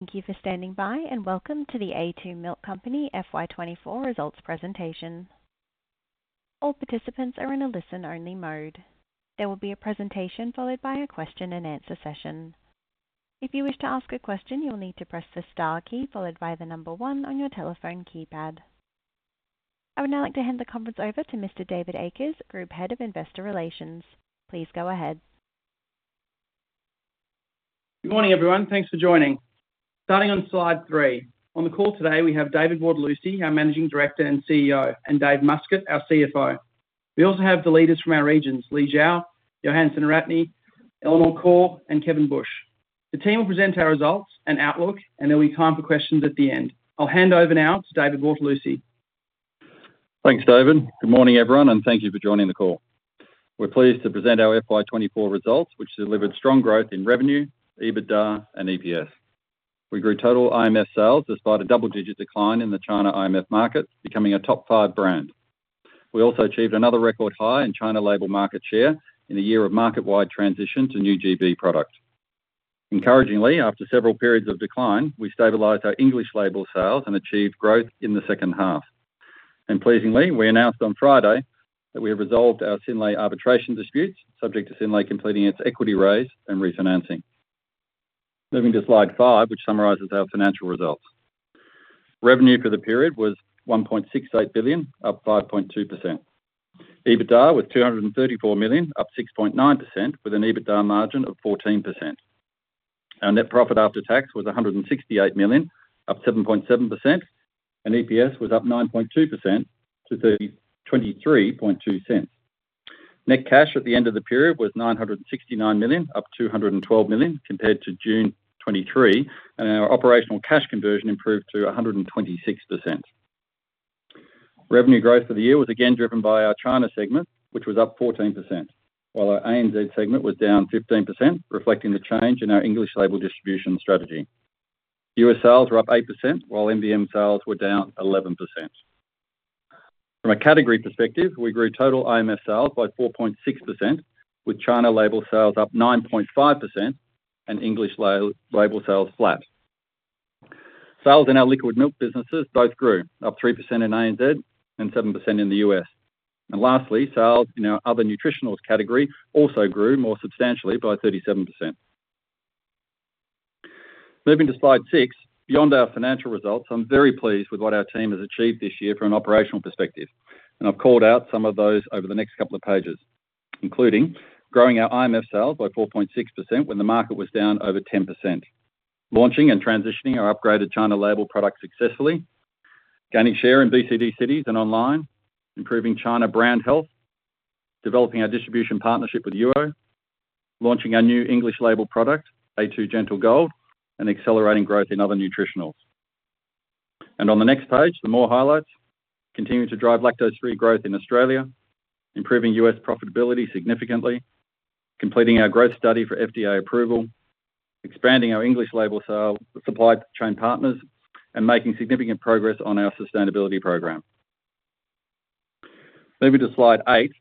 Thank you for standing by, and welcome to the a2 Milk Company FY 2024 results presentation. All participants are in a listen-only mode. There will be a presentation followed by a question-and-answer session. If you wish to ask a question, you will need to press the star key followed by the number one on your telephone keypad. I would now like to hand the conference over to Mr. David Akers, Group Head of Investor Relations. Please go ahead. Good morning, everyone. Thanks for joining. Starting on slide three. On the call today, we have David Bortolussi, our Managing Director and CEO, and David Muscat, our CFO. We also have the leaders from our regions, Li Xiao, Yohan Senaratne, Eleanor Khor, and Kevin Bush. The team will present our results and outlook, and there'll be time for questions at the end. I'll hand over now to David Bortolussi. Thanks, David. Good morning, everyone, and thank you for joining the call. We're pleased to present our FY 2024 results, which delivered strong growth in revenue, EBITDA and EPS. We grew total IMF sales, despite a double-digit decline in the China IMF market, becoming a top five brand. We also achieved another record high in China label market share in a year of market-wide transition to new GB products. Encouragingly, after several periods of decline, we stabilized our English label sales and achieved growth in the second half. Pleasingly, we announced on Friday that we have resolved our Synlait arbitration disputes, subject to Synlait completing its equity raise and refinancing. Moving to slide five, which summarizes our financial results. Revenue for the period was 1.68 billion, up 5.2%. EBITDA was 234 million, up 6.9% with an EBITDA margin of 14%. Our net profit after tax was 168 million, up 7.7%, and EPS was up 9.2% to 0.232. Net cash at the end of the period was 969 million, up 212 million compared to June 2023, and our operational cash conversion improved to 126%. Revenue growth for the year was again driven by our China segment, which was up 14%, while our ANZ segment was down 15%, reflecting the change in our English label distribution strategy. US sales were up 8%, while MDM sales were down 11%. From a category perspective, we grew total IMF sales by 4.6%, with China label sales up 9.5% and English label sales flat. Sales in our liquid milk businesses both grew, up 3% in ANZ and 7% in the U.S.. Lastly, sales in our other nutritionals category also grew more substantially by 37%. Moving to slide six. Beyond our financial results, I'm very pleased with what our team has achieved this year from an operational perspective, and I've called out some of those over the next couple of pages, including growing our IMF sales by 4.6% when the market was down over 10%. Launching and transitioning our upgraded China label product successfully. Gaining share in BCD cities and online. Improving China brand health. Developing our distribution partnership with Yuou. Launching our new English label product, a2 Gentle Gold, and accelerating growth in other nutritionals. On the next page, some more highlights. Continuing to drive lactose-free growth in Australia. Improving U.S. profitability significantly. Completing our growth study for FDA approval. Expanding our English label sales with supply chain partners, and making significant progress on our sustainability program. Moving to slide eight.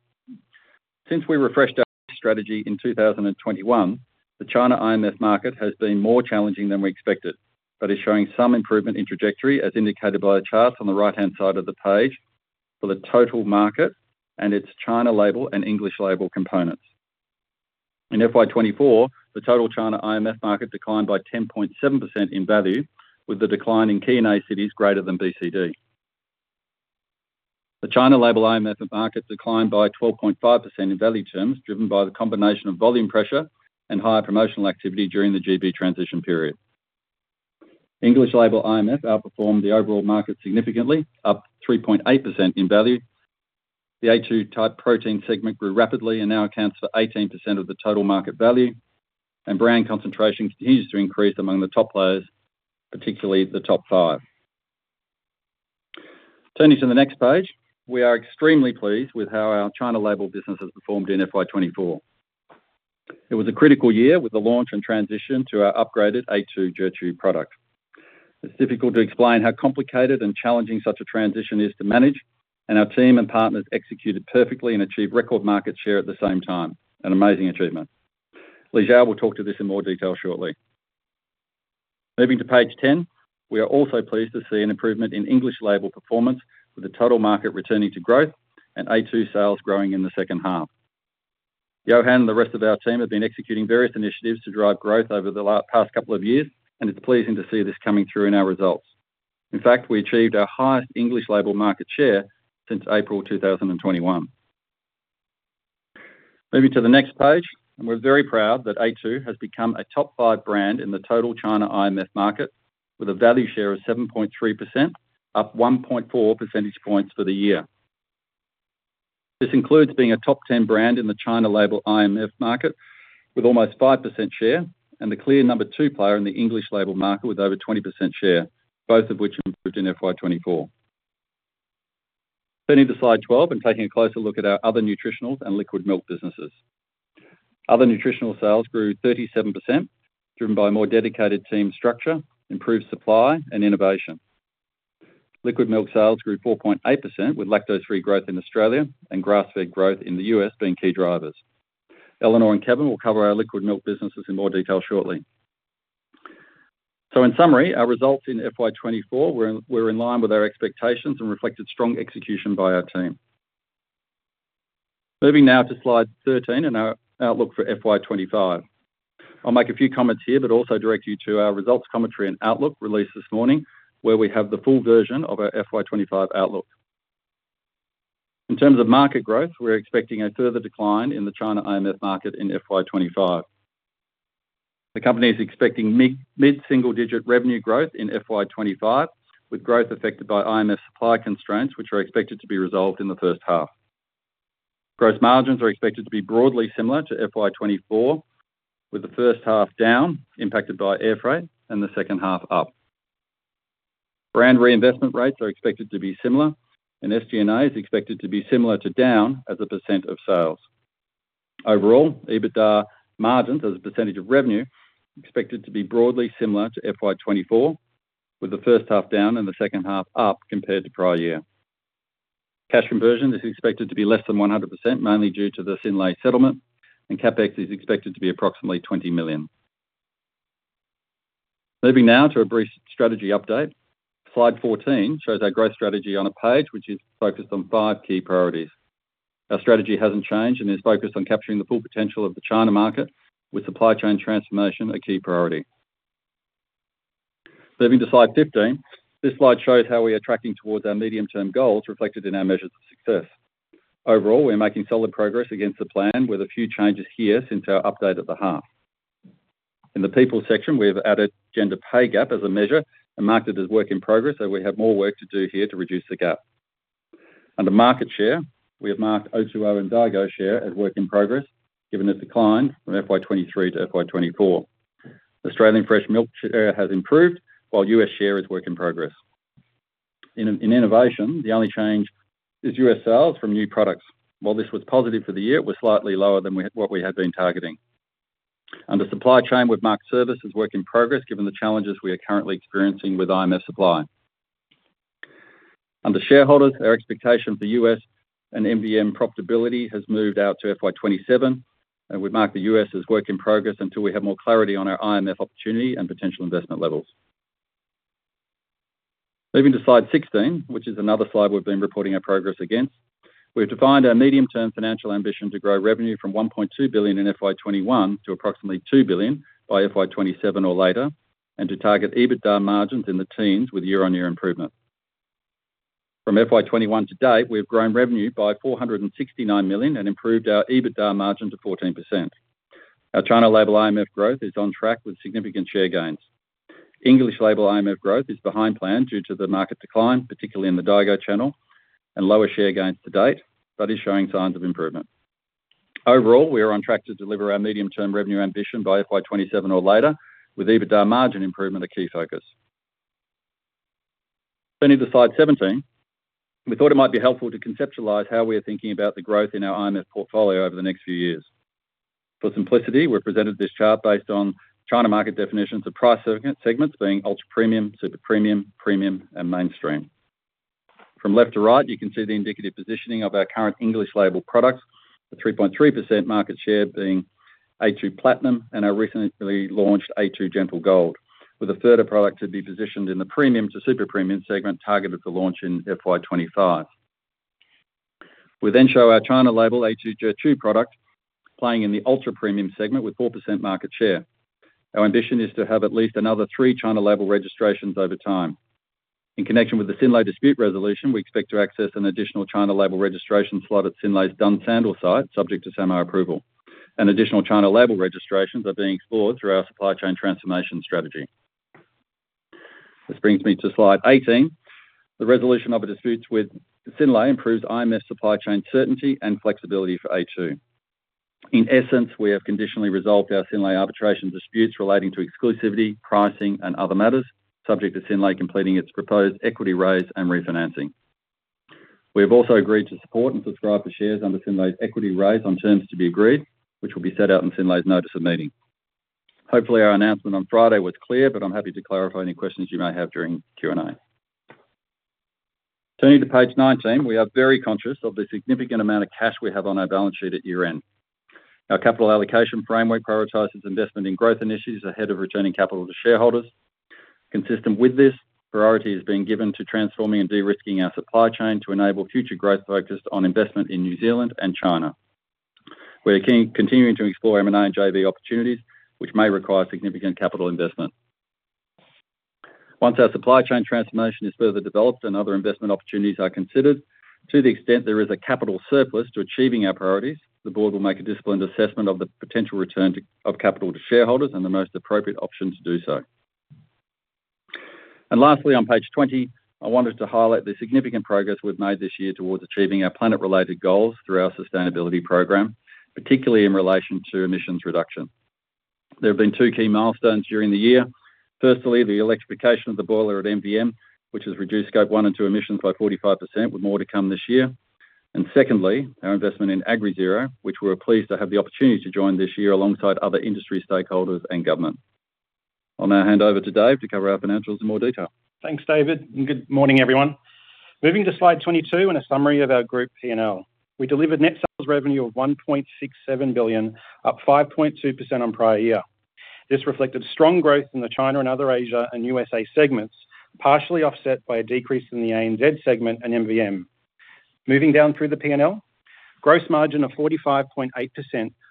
Since we refreshed our strategy in 2021, the China IMF market has been more challenging than we expected, but is showing some improvement in trajectory, as indicated by the charts on the right-hand side of the page for the total market and its China label and English label components. In FY 2024, the total China IMF market declined by 10.7% in value, with the decline in key and A cities greater than BCD. The China label IMF market declined by 12.5% in value terms, driven by the combination of volume pressure and higher promotional activity during the GB transition period. English label IMF outperformed the overall market significantly, up 3.8% in value. The a2 type protein segment grew rapidly and now accounts for 18% of the total market value, and brand concentration continues to increase among the top players, particularly the top 5. Turning to the next page, we are extremely pleased with how our China label business has performed in FY 2024. It was a critical year with the launch and transition to our upgraded a2 Zhichu product. It's difficult to explain how complicated and challenging such a transition is to manage, and our team and partners executed perfectly and achieved record market share at the same time. An amazing achievement. Li Xiao will talk to this in more detail shortly. Moving to page 10. We are also pleased to see an improvement in English label performance, with the total market returning to growth and a2 sales growing in the second half. Yohan and the rest of our team have been executing various initiatives to drive growth over the past couple of years, and it's pleasing to see this coming through in our results. In fact, we achieved our highest English label market share since April 2021. Moving to the next page, and we're very proud that a2 has become a top five brand in the total China IMF market, with a value share of 7.3%, up 1.4 percentage points for the year. This includes being a top 10 brand in the China label IMF market, with almost 5% share, and the clear number two player in the English label market with over 20% share, both of which improved in FY 2024. Turning to slide twelve and taking a closer look at our other nutritionals and liquid milk businesses. Other nutritional sales grew 37%, driven by a more dedicated team structure, improved supply and innovation... Liquid milk sales grew 4.8%, with Lactose Free growth in Australia and grass-fed growth in the US being key drivers. Eleanor and Kevin will cover our liquid milk businesses in more detail shortly. So in summary, our results in FY 2024 were in line with our expectations and reflected strong execution by our team. Moving now to slide 13 and our outlook for FY 2025. I'll make a few comments here, but also direct you to our results, commentary, and outlook released this morning, where we have the full version of our FY 2025 outlook. In terms of market growth, we're expecting a further decline in the China IMF market in FY 2025. The company is expecting mid-single digit revenue growth in FY 2025, with growth affected by IMF supply constraints, which are expected to be resolved in the first half. Gross margins are expected to be broadly similar to FY 2024, with the first half down impacted by air freight and the second half up. Brand reinvestment rates are expected to be similar, and SG&A is expected to be similar to down as a percent of sales. Overall, EBITDA margins as a percentage of revenue, expected to be broadly similar to FY24, with the first half down and the second half up compared to prior year. Cash conversion is expected to be less than 100%, mainly due to the Synlait settlement, and CapEx is expected to be approximately 20 million. Moving now to a brief strategy update. Slide 14 shows our growth strategy on a page which is focused on five key priorities. Our strategy hasn't changed and is focused on capturing the full potential of the China market, with supply chain transformation a key priority. Moving to slide 15. This slide shows how we are tracking towards our medium-term goals reflected in our measures of success. Overall, we're making solid progress against the plan with a few changes here since our update at the half. In the people section, we have added gender pay gap as a measure and marked it as work in progress, so we have more work to do here to reduce the gap. Under market share, we have marked O2O and Daigou share as work in progress, given the decline from FY 2023 to FY 2024. Australian fresh milk has improved, while US share is work in progress. In innovation, the only change is US sales from new products. While this was positive for the year, it was slightly lower than what we had been targeting. Under supply chain, we've marked service as work in progress, given the challenges we are currently experiencing with IMF supply. Under shareholders, our expectation for US and MVM profitability has moved out to FY 2027, and we mark the U.S. as work in progress until we have more clarity on our IMF opportunity and potential investment levels. Moving to slide 16, which is another slide we've been reporting our progress against, we've defined our medium-term financial ambition to grow revenue from 1.2 billion in FY 2021 to approximately 2 billion by FY 2027 or later, and to target EBITDA margins in the teens with year-on-year improvement. From FY 2021 to date, we've grown revenue by 469 million and improved our EBITDA margins to 14%. Our China label IMF growth is on track with significant share gains. English label IMF growth is behind plan due to the market decline, particularly in the Daigou channel and lower share gains to date, but is showing signs of improvement. Overall, we are on track to deliver our medium-term revenue ambition by FY 2027 or later, with EBITDA margin improvement a key focus. Turning to slide 17. We thought it might be helpful to conceptualize how we are thinking about the growth in our IMF portfolio over the next few years. For simplicity, we presented this chart based on China market definitions of price segment, segments being Ultra-Premium, Super Premium, Premium, and Mainstream. From left to right, you can see the indicative positioning of our current English label products, the 3.3% market share being a2 Platinum and our recently launched a2 Gentle Gold, with a further product to be positioned in the premium to super premium segment, targeted to launch in FY 2025. We then show our China label, a2 Zhichu product, playing in the ultra-premium segment with 4% market share. Our ambition is to have at least another three China label registrations over time. In connection with the Synlait dispute resolution, we expect to access an additional China label registration slot at Synlait's Dunsandel site, subject to SAMR approval, and additional China label registrations are being explored through our supply chain transformation strategy. This brings me to slide 18. The resolution of the disputes with Synlait improves IMF supply chain certainty and flexibility for a2. In essence, we have conditionally resolved our Synlait arbitration disputes relating to exclusivity, pricing, and other matters, subject to Synlait completing its proposed equity raise and refinancing. We have also agreed to support and subscribe for shares under Synlait's equity raise on terms to be agreed, which will be set out in Synlait's notice of meeting. Hopefully, our announcement on Friday was clear, but I'm happy to clarify any questions you may have during the Q&A. Turning to page 19, we are very conscious of the significant amount of cash we have on our balance sheet at year-end. Our capital allocation framework prioritizes investment in growth initiatives ahead of returning capital to shareholders. Consistent with this, priority is being given to transforming and de-risking our supply chain to enable future growth focused on investment in New Zealand and China. We are continuing to explore M&A and JV opportunities, which may require significant capital investment. Once our supply chain transformation is further developed and other investment opportunities are considered, to the extent there is a capital surplus to achieving our priorities, the board will make a disciplined assessment of the potential return of capital to shareholders and the most appropriate option to do so. Lastly, on page 20, I wanted to highlight the significant progress we've made this year towards achieving our planet-related goals through our sustainability program, particularly in relation to emissions reduction. There have been two key milestones during the year. Firstly, the electrification of the boiler at MVM, which has reduced Scope 1 and 2 emissions by 45%, with more to come this year. Secondly, our investment in AgriZeroNZ, which we're pleased to have the opportunity to join this year alongside other industry stakeholders and government. I'll now hand over to Dave to cover our financials in more detail. Thanks, David, and good morning, everyone. Moving to slide 22 and a summary of our group P&L. We delivered net sales revenue of 1.67 billion, up 5.2% on prior year. This reflected strong growth in the China and other Asia and USA segments, partially offset by a decrease in the ANZ segment and MVM. Moving down through the P&L, gross margin of 45.8%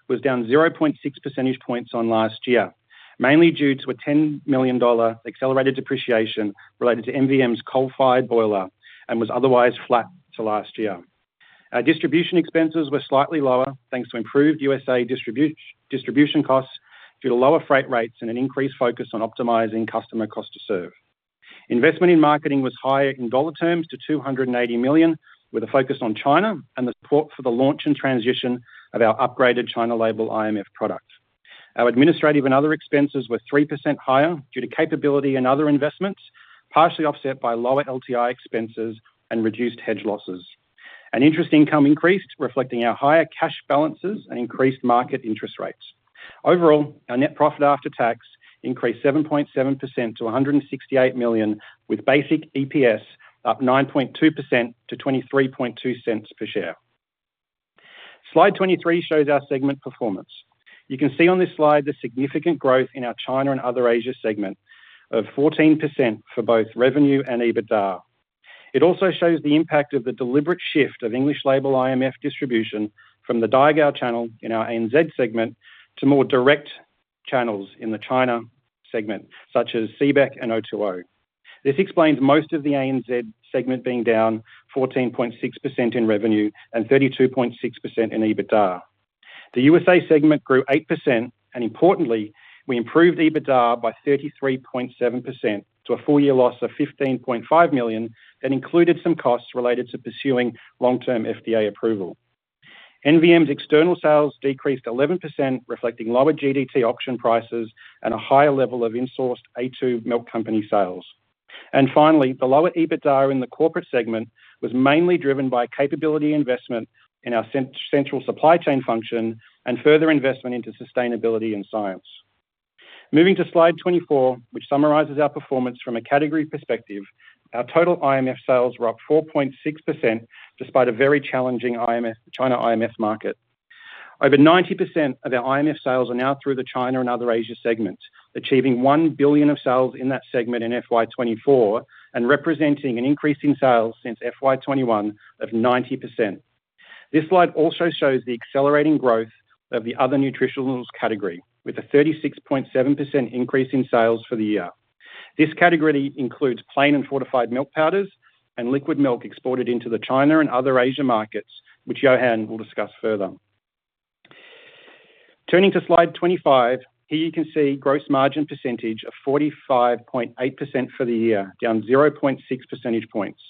was down 0.6 percentage points on last year, mainly due to a 10 million dollar accelerated depreciation related to MVM's coal-fired boiler and was otherwise flat to last year. Our distribution expenses were slightly lower, thanks to improved USA distribution costs due to lower freight rates and an increased focus on optimizing customer cost to serve. Investment in marketing was higher in dollar terms to 280 million, with a focus on China and the support for the launch and transition of our upgraded China label IMF product. Our administrative and other expenses were 3% higher due to capability and other investments, partially offset by lower LTI expenses and reduced hedge losses. Interest income increased, reflecting our higher cash balances and increased market interest rates. Overall, our net profit after tax increased 7.7% to 168 million, with basic EPS up 9.2% to 0.232 per share. Slide 23 shows our segment performance. You can see on this slide the significant growth in our China and other Asia segment of 14% for both revenue and EBITDA. It also shows the impact of the deliberate shift of English label IMF distribution from the Daigou channel in our ANZ segment to more direct channels in the China segment, such as CBEC & O2O. This explains most of the ANZ segment being down 14.6% in revenue and 32.6% in EBITDA. The USA segment grew 8%, and importantly, we improved EBITDA by 33.7% to a full year loss of 15.5 million. That included some costs related to pursuing long-term FDA approval. MVM's external sales decreased 11%, reflecting lower GDT auction prices and a higher level of in-sourced a2 Milk Company sales. And finally, the lower EBITDA in the corporate segment was mainly driven by capability investment in our central supply chain function and further investment into sustainability and science. Moving to slide 24, which summarizes our performance from a category perspective, our total IMF sales were up 4.6%, despite a very challenging IMF China IMF market. Over 90% of our IMF sales are now through the China and other Asia segments, achieving 1 billion of sales in that segment in FY 2024 and representing an increase in sales since FY 2021 of 90%. This slide also shows the accelerating growth of the other nutritionals category, with a 36.7% increase in sales for the year. This category includes plain and fortified milk powders and liquid milk exported into the China and other Asia markets, which Yohan will discuss further. Turning to slide 25. Here you can see gross margin percentage of 45.8% for the year, down 0.6 percentage points.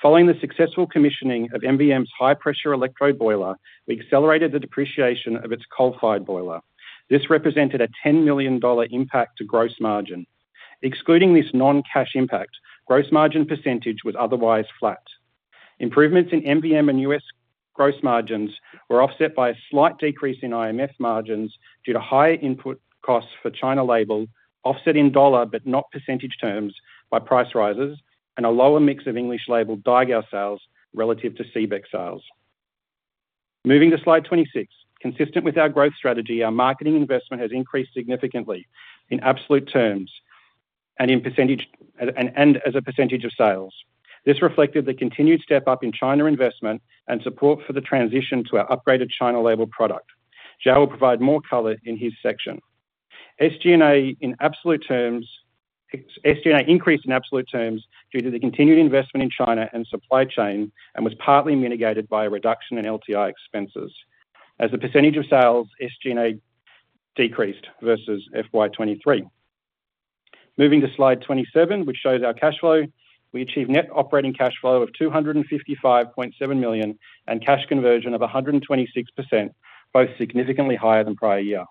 Following the successful commissioning of MVM's high-pressure electro boiler, we accelerated the depreciation of its coal-fired boiler. This represented a 10 million dollar impact to gross margin. Excluding this non-cash impact, gross margin percentage was otherwise flat. Improvements in MVM and US gross margins were offset by a slight decrease in IMF margins due to higher input costs for China label, offset in dollar, but not percentage terms by price rises and a lower mix of English label Daigou sales relative to CBEC sales. Moving to slide 26. Consistent with our growth strategy, our marketing investment has increased significantly in absolute terms and as a percentage of sales. This reflected the continued step-up in China investment and support for the transition to our upgraded China label product. Xiao will provide more color in his section. SG&A, in absolute terms, increased in absolute terms due to the continued investment in China and supply chain, and was partly mitigated by a reduction in LTI expenses. As a percentage of sales, SG&A decreased versus FY 2023. Moving to slide 27, which shows our cash flow. We achieved net operating cash flow of 255.7 million, and cash conversion of 126%, both significantly higher than prior year.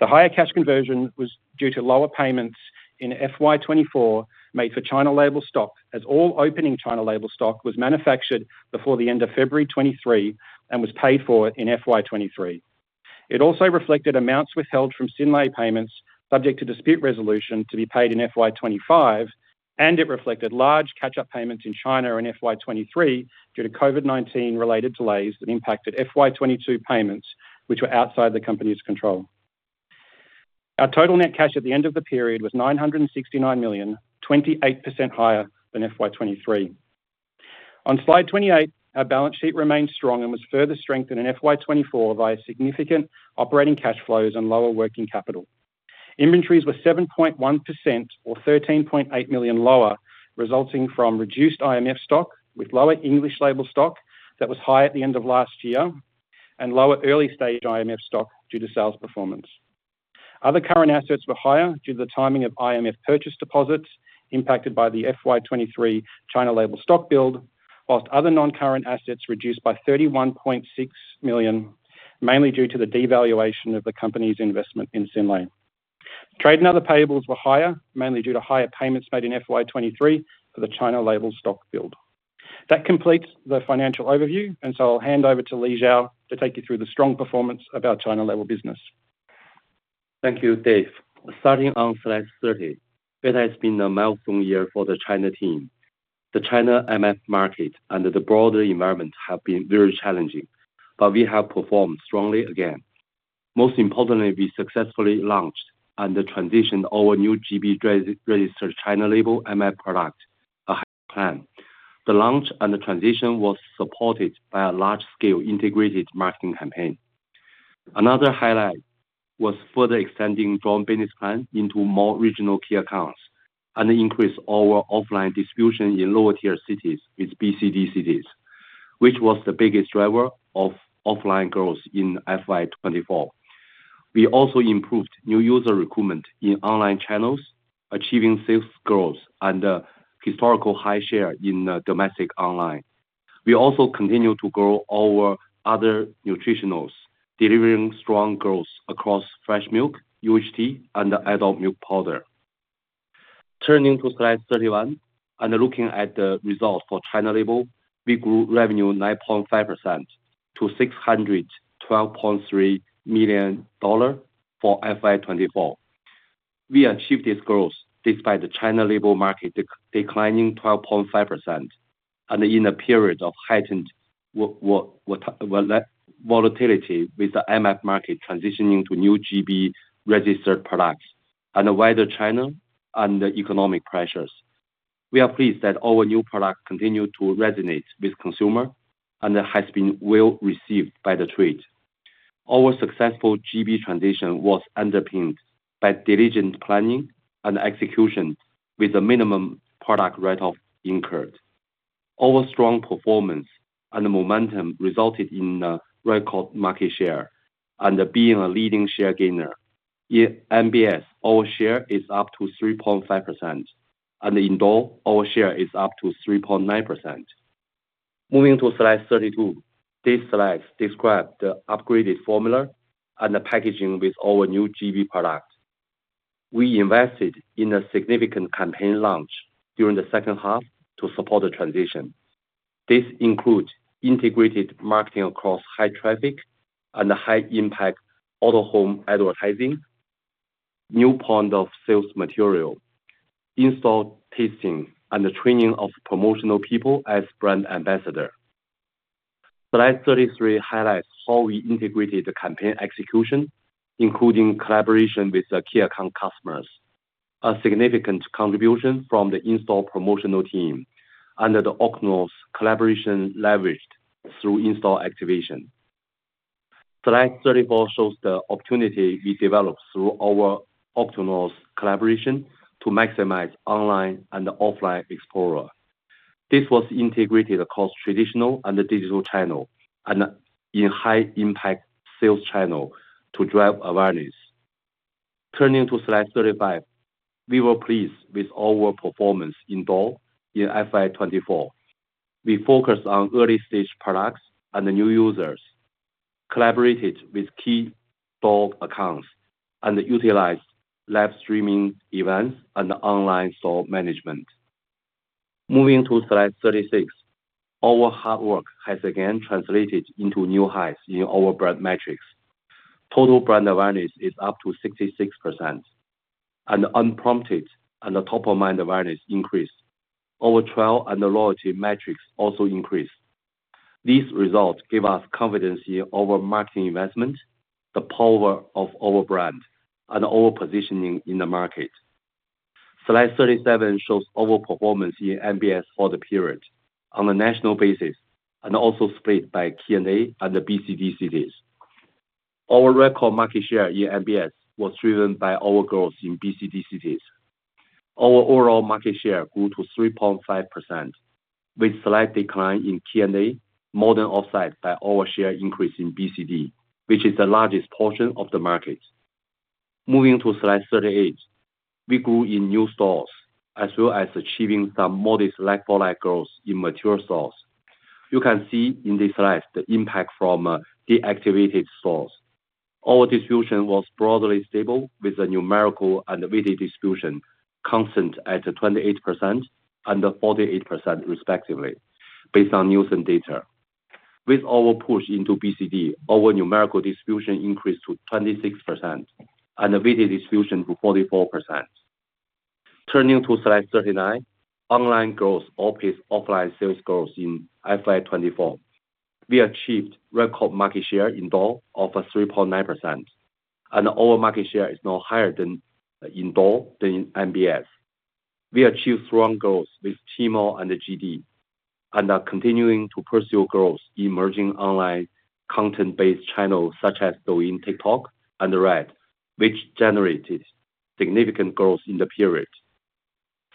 The higher cash conversion was due to lower payments in FY 2024 made for China label stock, as all opening China label stock was manufactured before the end of February 2023 and was paid for in FY 2023. It also reflected amounts withheld from Synlait payments subject to dispute resolution to be paid in FY 2025, and it reflected large catch-up payments in China in FY 2023 due to COVID-19 related delays that impacted FY 2022 payments, which were outside the company's control. Our total net cash at the end of the period was 969 million, 28% higher than FY 2023. On slide 28, our balance sheet remained strong and was further strengthened in FY 2024 by a significant operating cash flows and lower working capital. Inventories were 7.1% or 13.8 million lower, resulting from reduced IMF stock with lower English label stock that was high at the end of last year, and lower early-stage IMF stock due to sales performance. Other current assets were higher due to the timing of IMF purchase deposits impacted by the FY 2023 China label stock build, while other non-current assets reduced by 31.6 million, mainly due to the devaluation of the company's investment in Synlait. Trade and other payables were higher, mainly due to higher payments made in FY 2023 for the China label stock build. That completes the financial overview, and so I'll hand over to Li Xiao to take you through the strong performance of our China label business. Thank you, Dave. Starting on slide 30, it has been a milestone year for the China team. The China MF market and the broader environment have been very challenging, but we have performed strongly again. Most importantly, we successfully launched and transitioned our new GB registered China label MF product, ahead of plan. The launch and the transition was supported by a large-scale integrated marketing campaign. Another highlight was further extending strong business plan into more regional key accounts, and increase our offline distribution in lower tier cities with BCD cities, which was the biggest driver of offline growth in FY 2024. We also improved new user recruitment in online channels, achieving safe growth and a historical high share in domestic online. We also continued to grow our other nutritionals, delivering strong growth across fresh milk, UHT, and adult milk powder. Turning to slide thirty-one, and looking at the results for China label, we grew revenue 9.5% to 612.3 million dollar for FY 2024. We achieved this growth despite the China label market declining 12.5%, and in a period of heightened volatility with the IMF market transitioning to new GB registered products, and wider China and economic pressures. We are pleased that our new product continued to resonate with consumer and has been well received by the trade. Our successful GB transition was underpinned by diligent planning and execution, with a minimum product write-off incurred. Our strong performance and the momentum resulted in a record market share and being a leading share gainer. In MBS, our share is up to 3.5%, and in DOL, our share is up to 3.9%. Moving to slide 32. This slide describes the upgraded formula and the packaging with our new GB product. We invested in a significant campaign launch during the second half to support the transition. This includes integrated marketing across high traffic and high impact out-of-home advertising, new point of sales material, in-store tasting, and the training of promotional people as brand ambassador. Slide 33 highlights how we integrated the campaign execution, including collaboration with the key account customers. A significant contribution from the in-store promotional team under the O2O's collaboration leveraged through in-store activation. Slide 34 shows the opportunity we developed through our O2O's collaboration to maximize online and offline exposure. This was integrated across traditional and the digital channel, and in high impact sales channel to drive awareness. Turning to slide 35, we were pleased with our performance in DOL in FY 2024. We focused on early-stage products and the new users, collaborated with key Door accounts, and utilized live streaming events and online store management. Moving to slide 36, our hard work has again translated into new heights in our brand metrics. Total brand awareness is up to 66%, and unprompted, and the top-of-mind awareness increased. Our trial and the loyalty metrics also increased. These results give us confidence in our marketing investment, the power of our brand, and our positioning in the market. Slide 37 shows our performance in MBS for the period on a national basis, and also split by key and A and the BCD cities. Our record market share in MBS was driven by our growth in BCD cities. Our overall market share grew to 3.5%, with slight decline in key and A, more than offset by our share increase in BCD, which is the largest portion of the market. Moving to slide 38, we grew in new stores, as well as achieving some modest like-for-like growth in mature stores. You can see in this slide the impact from, deactivated stores. Our distribution was broadly stable, with a numerical and VA distribution constant at 28% and 48% respectively, based on Nielsen data. With our push into BCD, our numerical distribution increased to 26% and the VA distribution to 44%. Turning to slide 39, online growth outpaced offline sales growth in FY 2024. We achieved record market share in Douyin of 3.9%, and our market share is now higher than in Douyin than in MBS. We achieved strong growth with Tmall and the JD, and are continuing to pursue growth in emerging online content-based channels such as Douyin, TikTok, and Red, which generated significant growth in the period.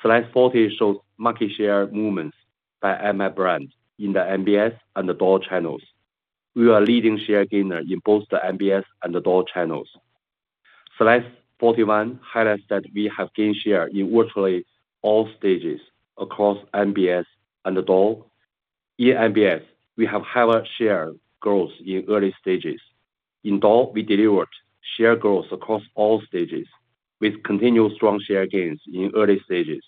Slide forty shows market share movements by IMF brand in the MBS and the DOL channels. We are a leading share gainer in both the MBS and the DOL channels. Slide forty-one highlights that we have gained share in virtually all stages across MBS and the DOL. In MBS, we have higher share growth in early stages. In DOL, we delivered share growth across all stages, with continuous strong share gains in early stages,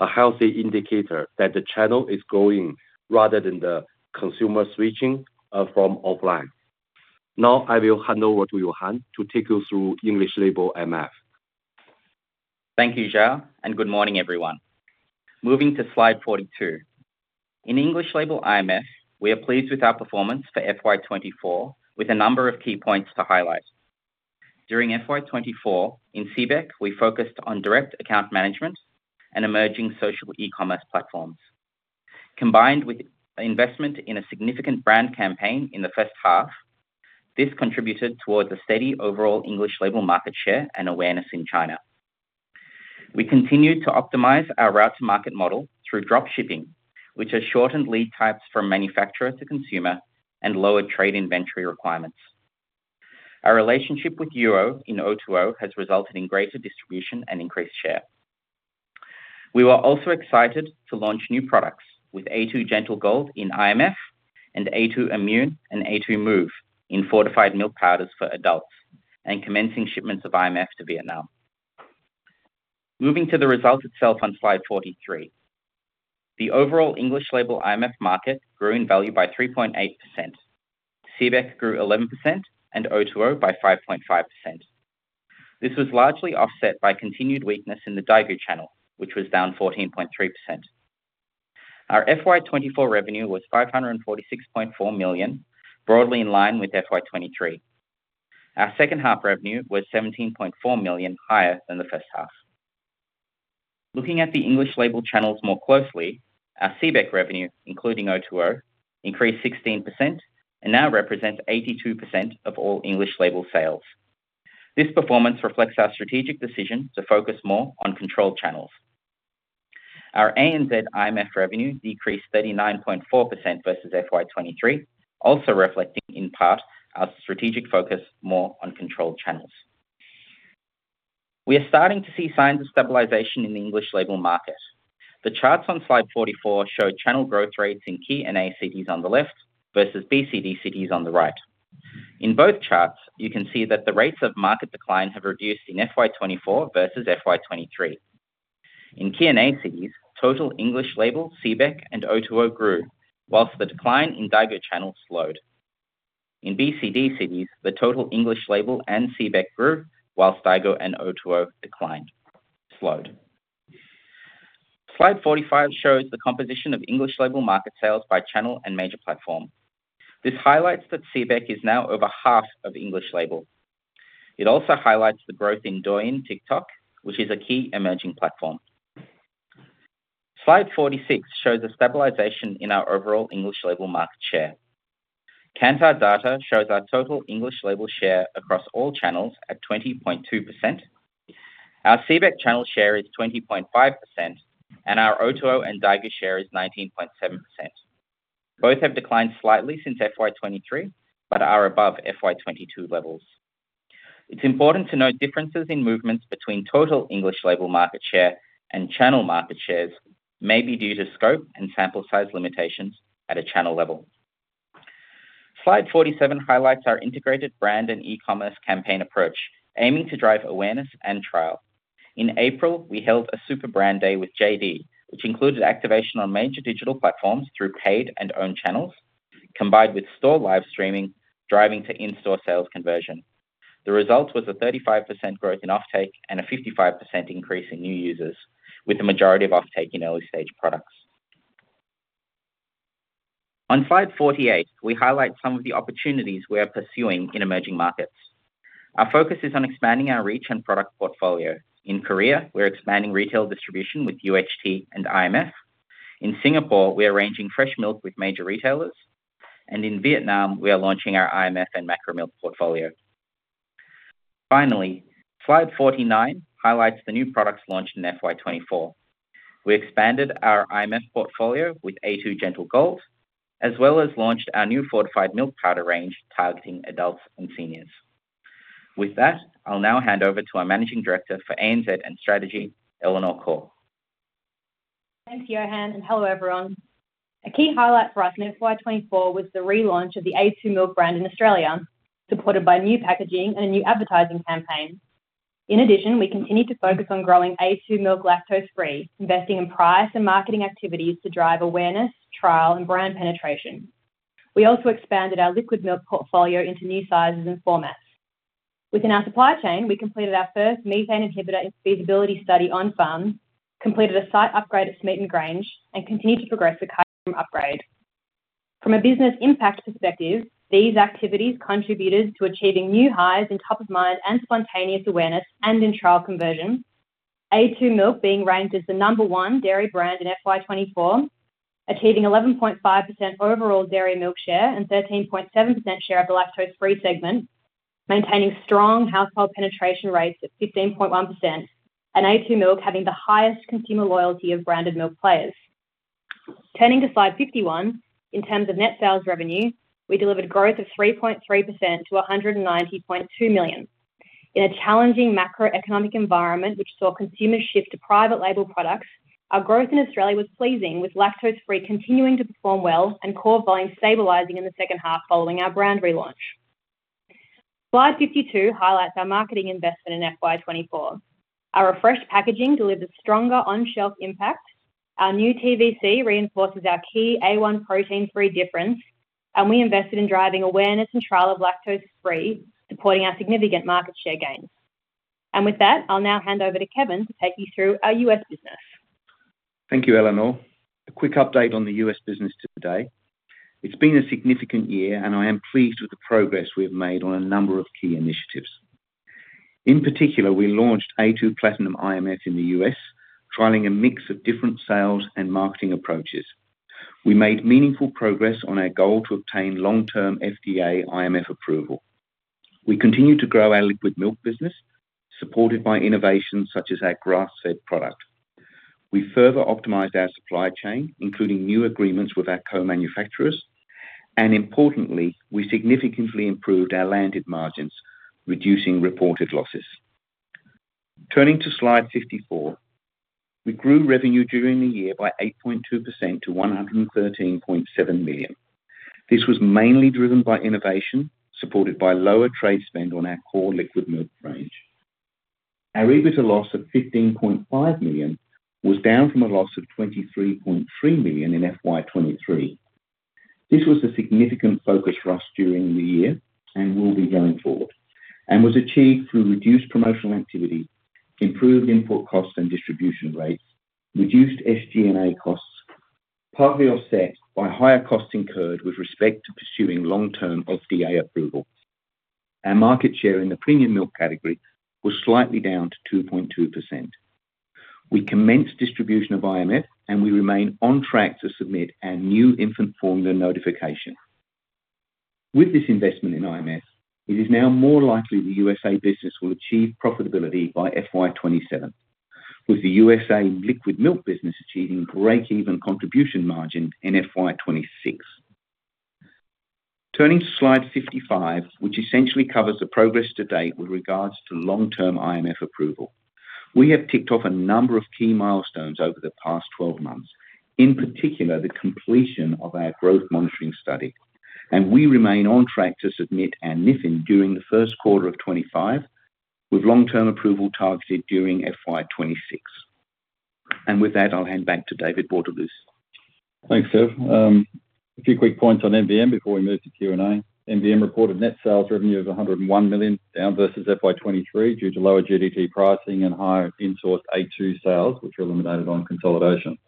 a healthy indicator that the channel is growing rather than the consumer switching from offline. Now I will hand over to Yohan to take you through English Label IMF. Thank you, Xiao, and good morning, everyone. Moving to slide 42. In English label IMF, we are pleased with our performance for FY 2024, with a number of key points to highlight. During FY 2024, in CBEC, we focused on direct account management and emerging social e-commerce platforms. Combined with investment in a significant brand campaign in the first half, this contributed towards a steady overall English label market share and awareness in China. We continued to optimize our route to market model through drop shipping, which has shortened lead times from manufacturer to consumer and lowered trade inventory requirements. Our relationship with Yuou in O2O has resulted in greater distribution and increased share. We were also excited to launch new products with a2 Gentle Gold in IMF and a2 Immune and a2 Move in fortified milk powders for adults, and commencing shipments of IMF to Vietnam. Moving to the results itself on slide 43. The overall English label IMF market grew in value by 3.8%. CBEC grew 11% and O2O by 5.5%. This was largely offset by continued weakness in the Daigou channel, which was down 14.3%. Our FY 2024 revenue was 546.4 million, broadly in line with FY 2023. Our second half revenue was 17.4 million, higher than the first half. Looking at the English label channels more closely, our CBEC revenue, including O2O, increased 16% and now represents 82% of all English label sales. This performance reflects our strategic decision to focus more on controlled channels. Our ANZ IMF revenue decreased 39.4% versus FY 2023, also reflecting, in part, our strategic focus more on controlled channels. We are starting to see signs of stabilization in the English label market. The charts on slide 44 show channel growth rates in key key and A cities on the left, versus BCD cities on the right. In both charts, you can see that the rates of market decline have reduced in FY 2024 versus FY 2023. In key and A cities, total English label, CBEC & O2O grew, while the decline in Daigou channels slowed. In BCD cities, the total English label and CBEC grew, while Daigou and O2O decline slowed. Slide 45 shows the composition of English label market sales by channel and major platform. This highlights that CBEC is now over half of English label. It also highlights the growth in Douyin TikTok, which is a key emerging platform. Slide 46 shows a stabilization in our overall English label market share. Kantar data shows our total English label share across all channels at 20.2%. Our CBEC channel share is 20.5%, and our O2O and Daigou share is 19.7%. Both have declined slightly since FY 2023, but are above FY 2022 levels. It's important to note differences in movements between total English label market share and channel market shares may be due to scope and sample size limitations at a channel level. Slide 47 highlights our integrated brand and e-commerce campaign approach, aiming to drive awareness and trial. In April, we held a super brand day with JD, which included activation on major digital platforms through paid and owned channels, combined with store live streaming, driving to in-store sales conversion. The result was a 35% growth in offtake and a 55% increase in new users, with the majority of offtake in early stage products. On slide 48, we highlight some of the opportunities we are pursuing in emerging markets. Our focus is on expanding our reach and product portfolio. In Korea, we're expanding retail distribution with UHT and IMF. In Singapore, we are arranging fresh milk with major retailers, and in Vietnam, we are launching our IMF and a2 Milk portfolio. Finally, slide 49 highlights the new products launched in FY 2024. We expanded our IMF portfolio with a2 Gentle Gold, as well as launched our new fortified milk powder range, targeting adults and seniors. With that, I'll now hand over to our Managing Director for ANZ and Strategy, Eleanor Khor. Thanks, Yohan, and hello, everyone. A key highlight for us in FY 2024 was the relaunch of the a2 Milk brand in Australia, supported by new packaging and a new advertising campaign. In addition, we continued to focus on growing a2 Milk Lactose Free, investing in price and marketing activities to drive awareness, trial, and brand penetration. We also expanded our liquid milk portfolio into new sizes and formats. Within our supply chain, we completed our first methane inhibitor and feasibility study on farms, completed a site upgrade at Smeaton Grange, and continued to progress the upgrade. From a business impact perspective, these activities contributed to achieving new highs in top of mind and spontaneous awareness and in trial conversion. a2 Milk being ranked as the number one dairy brand in FY 2024, achieving 11.5% overall dairy milk share and 13.7% share of the lactose-free segment, maintaining strong household penetration rates at 15.1%, and a2 Milk having the highest consumer loyalty of branded milk players. Turning to slide 51, in terms of net sales revenue, we delivered growth of 3.3% to 190.2 million. In a challenging macroeconomic environment, which saw consumers shift to private label products, our growth in Australia was pleasing, with lactose-free continuing to perform well and core volumes stabilizing in the second half following our brand relaunch. Slide 52 highlights our marketing investment in FY 2024. Our refreshed packaging delivers stronger on-shelf impact. Our new TVC reinforces our key A1 protein-free difference, and we invested in driving awareness and trial of lactose free, supporting our significant market share gains. And with that, I'll now hand over to Kevin to take you through our US business. Thank you, Eleanor. A quick update on the U.S. business up to today. It's been a significant year, and I am pleased with the progress we have made on a number of key initiatives. In particular, we launched a2 Platinum IMF in the U.S., trialing a mix of different sales and marketing approaches. We made meaningful progress on our goal to obtain long-term FDA IMF approval. We continued to grow our liquid milk business, supported by innovations such as our grass-fed product. We further optimized our supply chain, including new agreements with our co-manufacturers, and importantly, we significantly improved our landed margins, reducing reported losses. Turning to slide 54, we grew revenue during the year by 8.2% to 113.7 million. This was mainly driven by innovation, supported by lower trade spend on our core liquid milk range. Our EBITDA loss of 15.5 million was down from a loss of 23.3 million in FY 2023. This was a significant focus for us during the year and will be going forward, and was achieved through reduced promotional activity, improved input costs and distribution rates, reduced SG&A costs, partly offset by higher costs incurred with respect to pursuing long-term FDA approval. Our market share in the premium milk category was slightly down to 2.2%. We commenced distribution of IMF, and we remain on track to submit our new infant formula notification. With this investment in IMF, it is now more likely the USA business will achieve profitability by FY 2027, with the USA liquid milk business achieving breakeven contribution margin in FY 2026. Turning to slide 55, which essentially covers the progress to date with regards to long-term IMF approval. We have ticked off a number of key milestones over the past twelve months, in particular, the completion of our growth monitoring study, and we remain on track to submit our NZX during the first quarter of 2025, with long-term approval targeted during FY 2026. And with that, I'll hand back to David Bortolussi. Thanks, Kev. A few quick points on MVM before we move to Q&A. MVM reported net sales revenue of 101 million, down versus FY 2023 due to lower GDT pricing and higher in-source a2 sales, which were eliminated on consolidation.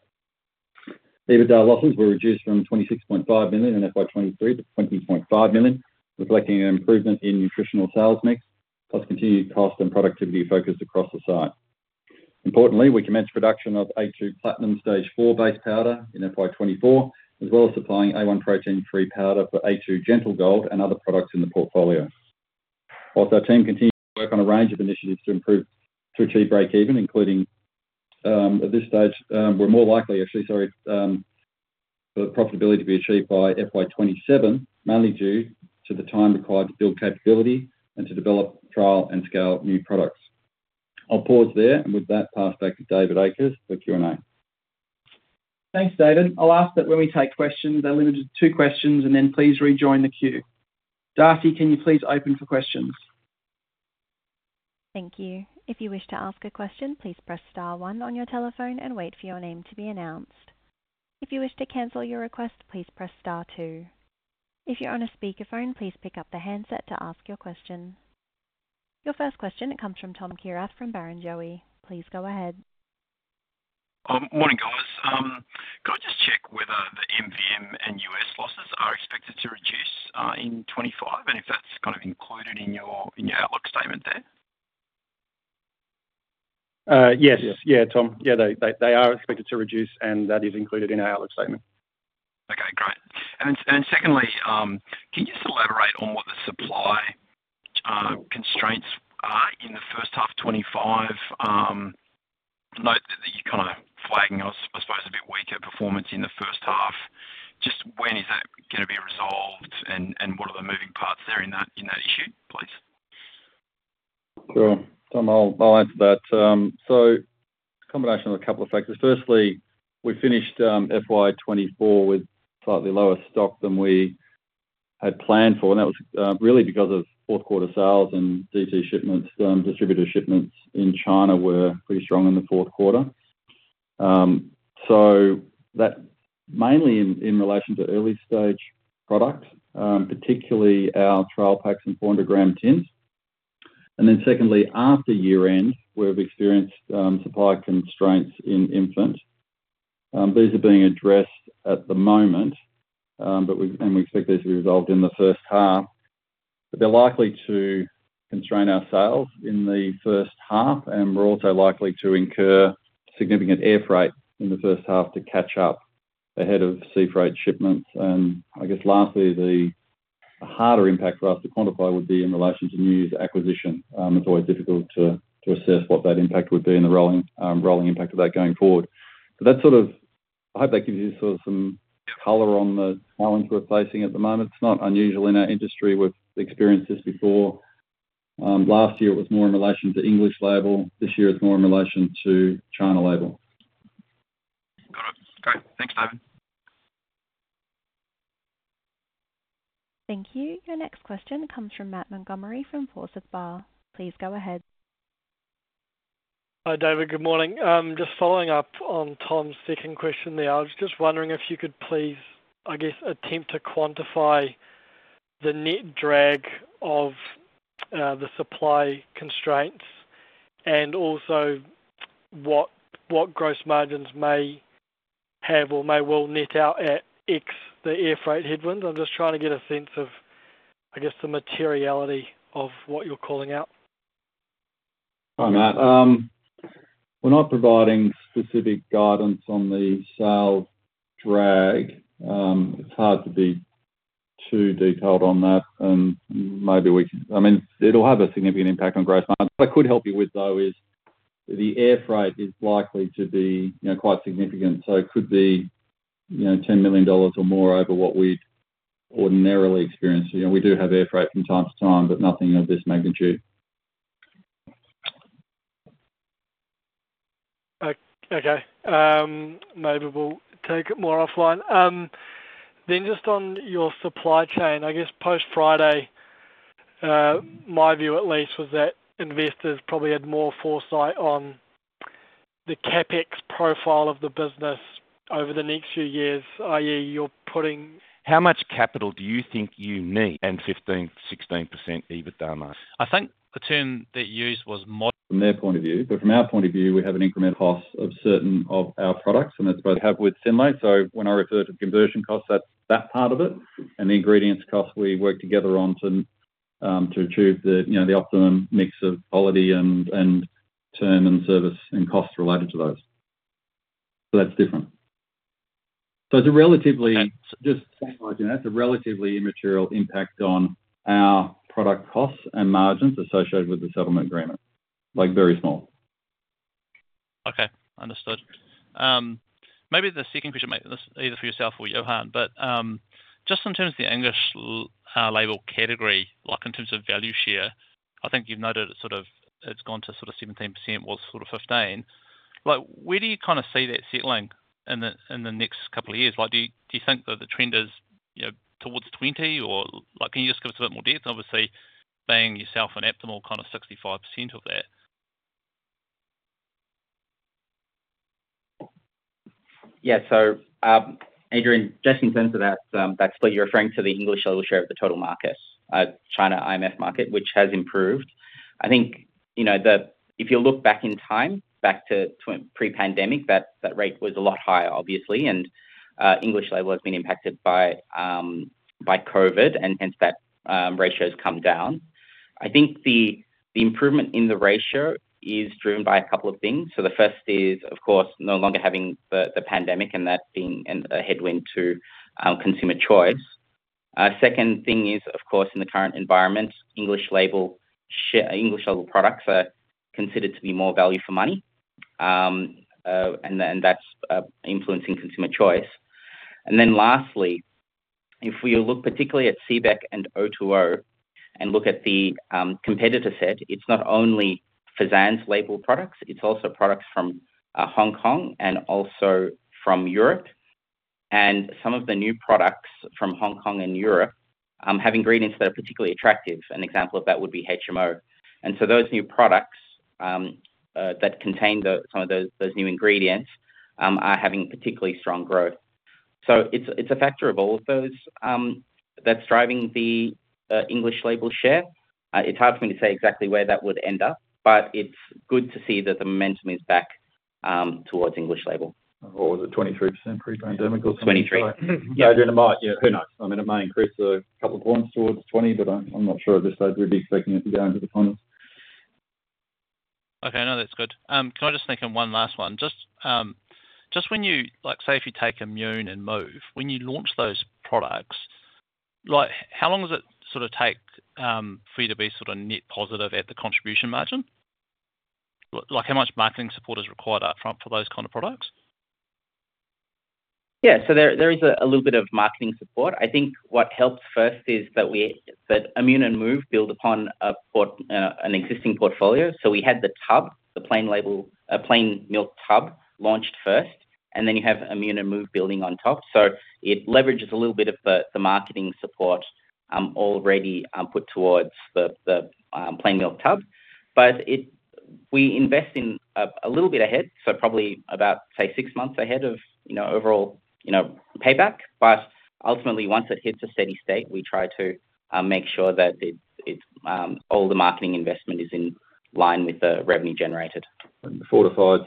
EBITDA losses were reduced from 26.5 million in FY 2023 to 20.5 million, reflecting an improvement in nutritional sales mix, plus continued cost and productivity focus across the site. Importantly, we commenced production of a2 Platinum Stage 4 base powder in FY 2024, as well as supplying A1 protein-free powder for a2 Gentle Gold and other products in the portfolio. Also, our team continued to work on a range of initiatives to improve, to achieve breakeven, including, at this stage, we're more likely, actually, sorry, for profitability to be achieved by FY 2027, mainly due to the time required to build capability and to develop, trial, and scale new products. I'll pause there, and with that, pass back to David Akers for Q&A. Thanks, David. I'll ask that when we take questions, they're limited to two questions, and then please rejoin the queue. Darcy, can you please open for questions? Thank you. If you wish to ask a question, please press star one on your telephone and wait for your name to be announced. If you wish to cancel your request, please press star two. If you're on a speakerphone, please pick up the handset to ask your question. Your first question comes from Tom Kierath from Barrenjoey. Please go ahead. Morning, guys. Could I just check whether the MVM and US losses are expected to reduce in 2025? And if that's kind of included in your outlook statement there. Yes. Yeah, Tom. Yeah, they are expected to reduce, and that is included in our outlook statement. Okay, great. And secondly, can you just elaborate on what the supply constraints are in the first half 2025, note that you're kind of flagging us, I suppose, a bit weaker performance in the first half. Just when is that gonna be resolved, and what are the moving parts there in that issue, please? Sure. Tom, I'll answer that. So combination of a couple of factors. Firstly, we finished FY 2024 with slightly lower stock than we had planned for, and that was really because of fourth quarter sales and DT shipments. Distributor shipments in China were pretty strong in the fourth quarter. So that mainly in relation to early-stage products, particularly our trial packs and 400-gram tins. And then secondly, after year-end, we've experienced supply constraints in infant. These are being addressed at the moment, but we expect these to be resolved in the first half. But they're likely to constrain our sales in the first half, and we're also likely to incur significant air freight in the first half to catch up ahead of sea freight shipments. I guess lastly, the harder impact for us to quantify would be in relation to new acquisition. It's always difficult to assess what that impact would be and the rolling impact of that going forward. I hope that gives you sort of some color on the challenges we're facing at the moment. It's not unusual in our industry. We've experienced this before. Last year it was more in relation to English label, this year it's more in relation to China label. Got it. Great. Thanks, David. Thank you. Your next question comes from Matt Montgomerie from Forsyth Barr. Please go ahead. Hi, David. Good morning. Just following up on Tom's second question there, I was just wondering if you could please, I guess, attempt to quantify the net drag of, the supply constraints and also what gross margins may have or may well net out at X, the airfreight headwind. I'm just trying to get a sense of, I guess, the materiality of what you're calling out. Hi, Matt. We're not providing specific guidance on the sales drag. It's hard to be too detailed on that, and maybe we can, I mean, it'll have a significant impact on gross margin. What I could help you with, though, is the air freight is likely to be, you know, quite significant, so it could be, you know, 10 million dollars or more over what we'd ordinarily experience. You know, we do have air freight from time to time, but nothing of this magnitude. Okay. Maybe we'll take it more offline. Then just on your supply chain, I guess post-Friday, my view at least, was that investors probably had more foresight on the CapEx profile of the business over the next few years, i.e., you're putting- How much capital do you think you need? And 15%-16% EBITDA margin. I think the term that you used was mo- From their point of view, but from our point of view, we have an incremental cost of certain of our products, and that's what we have with Synlait. So when I refer to conversion costs, that's that part of it, and the ingredients cost, we work together on to achieve the, you know, the optimum mix of quality and term and service and costs related to those. So that's different. So it's a relatively immaterial impact on our product costs and margins associated with the settlement agreement, like, very small. Okay, understood. Maybe the second question, mate, this either for yourself or Yohan, but, just in terms of the English label category, like in terms of value share, I think you've noted it sort of, it's gone to sort of 17% or sort of 15%. Like, where do you kinda see that settling in the, in the next couple of years? Like, do you, do you think that the trend is, you know, towards 20%, or like, can you just give us a bit more depth, obviously, being yourself an optimal kind of 65% of that? Yeah. So, Adrian, just in terms of that split, you're referring to the English label share of the total market, China IMF market, which has improved. I think, you know, if you look back in time, back to pre-pandemic, that rate was a lot higher, obviously, and English label has been impacted by COVID, and hence that ratio has come down. I think the improvement in the ratio is driven by a couple of things. So the first is, of course, no longer having the pandemic and that being a headwind to consumer choice. Second thing is, of course, in the current environment, English label products are considered to be more value for money, and that's influencing consumer choice. Then lastly, if we look particularly at CBEC & O2O and look at the competitor set, it's not only Chinese label products, it's also products from Hong Kong and also from Europe, and some of the new products from Hong Kong and Europe have ingredients that are particularly attractive. An example of that would be HMO. So those new products that contain some of those new ingredients are having particularly strong growth. So it's a factor of all of those that's driving the English label share. It's hard for me to say exactly where that would end up, but it's good to see that the momentum is back towards English label. Or was it 23% pre-pandemic or something? 23. Yeah, it might, yeah. Who knows? I mean, it may increase a couple points towards 20, but I'm not sure at this stage we'd be expecting it to go into the hundreds. Okay, no, that's good. Can I just sneak in one last one? Just, just when you like, say, if you take Immune and Move, when you launch those products, like, how long does it sort of take, for you to be sort of net positive at the contribution margin? Like, how much marketing support is required upfront for those kind of products? Yeah. So there is a little bit of marketing support. I think what helped first is that Immune and Move build upon a portfolio, an existing portfolio. So we had the tub, the plain label, plain milk tub, launched first, and then you have Immune and Move building on top. So it leverages a little bit of the marketing support already put towards the plain milk tub. But we invest in a little bit ahead, so probably about, say, six months ahead of, you know, overall, you know, payback. But ultimately, once it hits a steady state, we try to make sure that it's all the marketing investment is in line with the revenue generated. The fortified,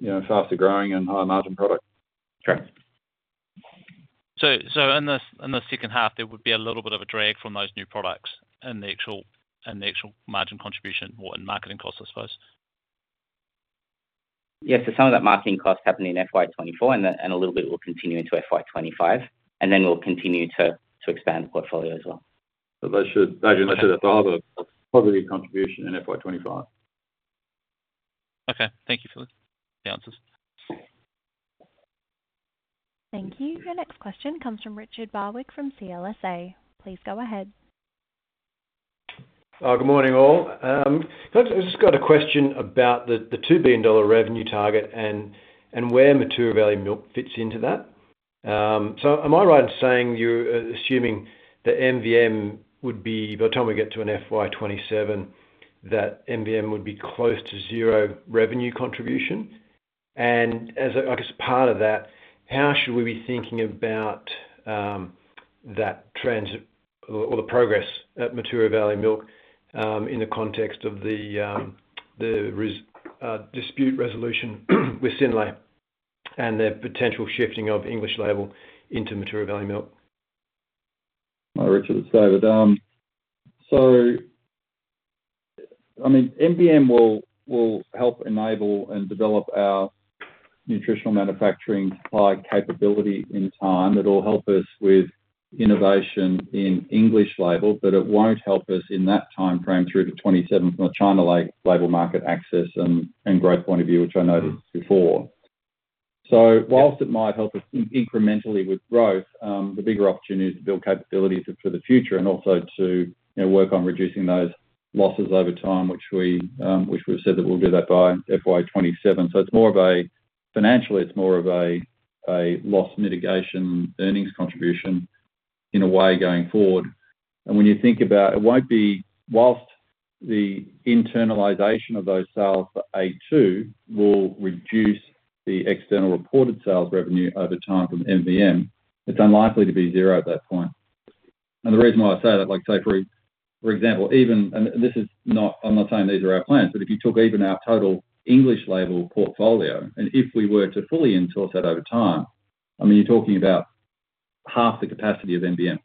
you know, faster-growing and higher-margin product. Correct. In the second half, there would be a little bit of a drag from those new products and the actual margin contribution more in marketing costs, I suppose. Yes. So some of that marketing cost happened in FY 2024, and then, and a little bit will continue into FY 2025, and then we'll continue to, to expand the portfolio as well. But they should, they should have a positive contribution in FY 2025.... Okay, thank you, for the answers. Thank you. Your next question comes from Richard Barwick from CLSA. Please go ahead. Good morning, all. So I've just got a question about the 2 billion dollar revenue target and where Mataura Valley Milk fits into that. So am I right in saying you're assuming that MVM would be, by the time we get to an FY 2027, that MVM would be close to zero revenue contribution? And as, I guess, part of that, how should we be thinking about that transit or the progress at Mataura Valley Milk in the context of the dispute resolution with Synlait and the potential shifting of English label into Mataura Valley Milk? Hi, Richard, it's David. So, I mean, MVM will help enable and develop our nutritional manufacturing supply capability in time. It'll help us with innovation in English label, but it won't help us in that timeframe through to 2027 from a China label market access and growth point of view, which I noted before. So whilst it might help us incrementally with growth, the bigger opportunity is to build capabilities for the future and also to, you know, work on reducing those losses over time, which we've said that we'll do that by FY 2027. So it's more of a... financially, it's more of a loss mitigation, earnings contribution in a way, going forward. When you think about it, whilst the internalization of those sales for a2 will reduce the external reported sales revenue over time from MVM, it's unlikely to be zero at that point. The reason why I say that, like, say, for example, even and this is not... I'm not saying these are our plans, but if you took even our total English label portfolio, and if we were to fully in-source that over time, I mean, you're talking about half the capacity of MVM.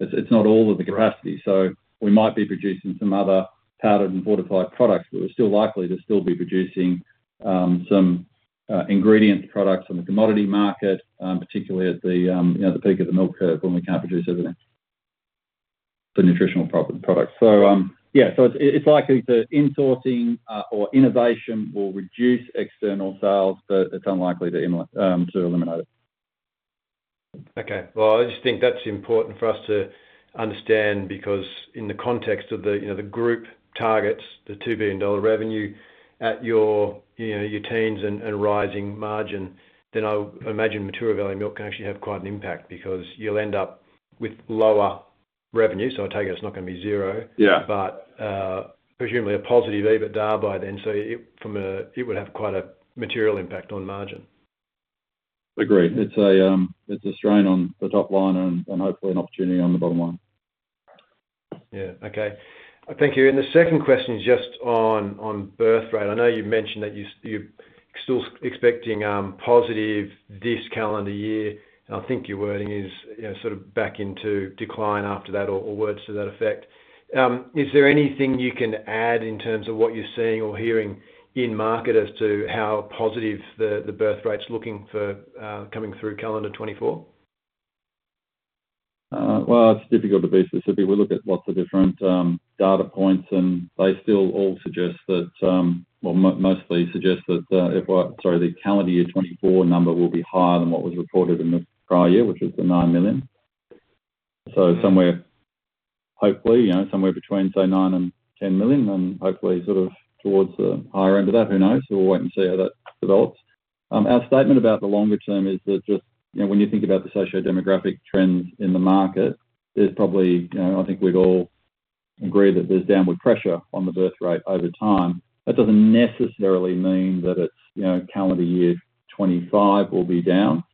It's not all of the capacity, so we might be producing some other powdered and fortified products, but we're still likely to still be producing some ingredient products on the commodity market, particularly at the, you know, the peak of the milk curve when we can't produce everything, the nutritional product. It's likely the in-sourcing or innovation will reduce external sales, but it's unlikely to eliminate it. Okay. Well, I just think that's important for us to understand, because in the context of the, you know, the group targets, the 2 billion dollar revenue at your, you know, your teens and, and rising margin, then I imagine Mataura Valley Milk can actually have quite an impact, because you'll end up with lower revenue. So I take it, it's not going to be zero. Yeah. But, presumably a positive EBITDA by then, so it from a, it would have quite a material impact on margin. Agreed. It's a strain on the top line and hopefully an opportunity on the bottom line. Yeah. Okay. Thank you. And the second question is just on birth rate. I know you've mentioned that you're still expecting positive this calendar year. And I think your wording is, you know, sort of back into decline after that or words to that effect. Is there anything you can add in terms of what you're seeing or hearing in market as to how positive the birth rate's looking for coming through calendar 2024? It's difficult to be specific. We look at lots of different data points, and they still all suggest that, well, mostly suggest that, if what-- sorry, the calendar year 2024 number will be higher than what was reported in the prior year, which is the nine million. So somewhere, hopefully, you know, somewhere between, say, nine and 10 million, and hopefully sort of towards the higher end of that. Who knows? We'll wait and see how that develops. Our statement about the longer term is that just, you know, when you think about the socio-demographic trends in the market, there's probably, you know, I think we'd all agree that there's downward pressure on the birth rate over time. That doesn't necessarily mean that it's, you know, calendar year 2025 will be down.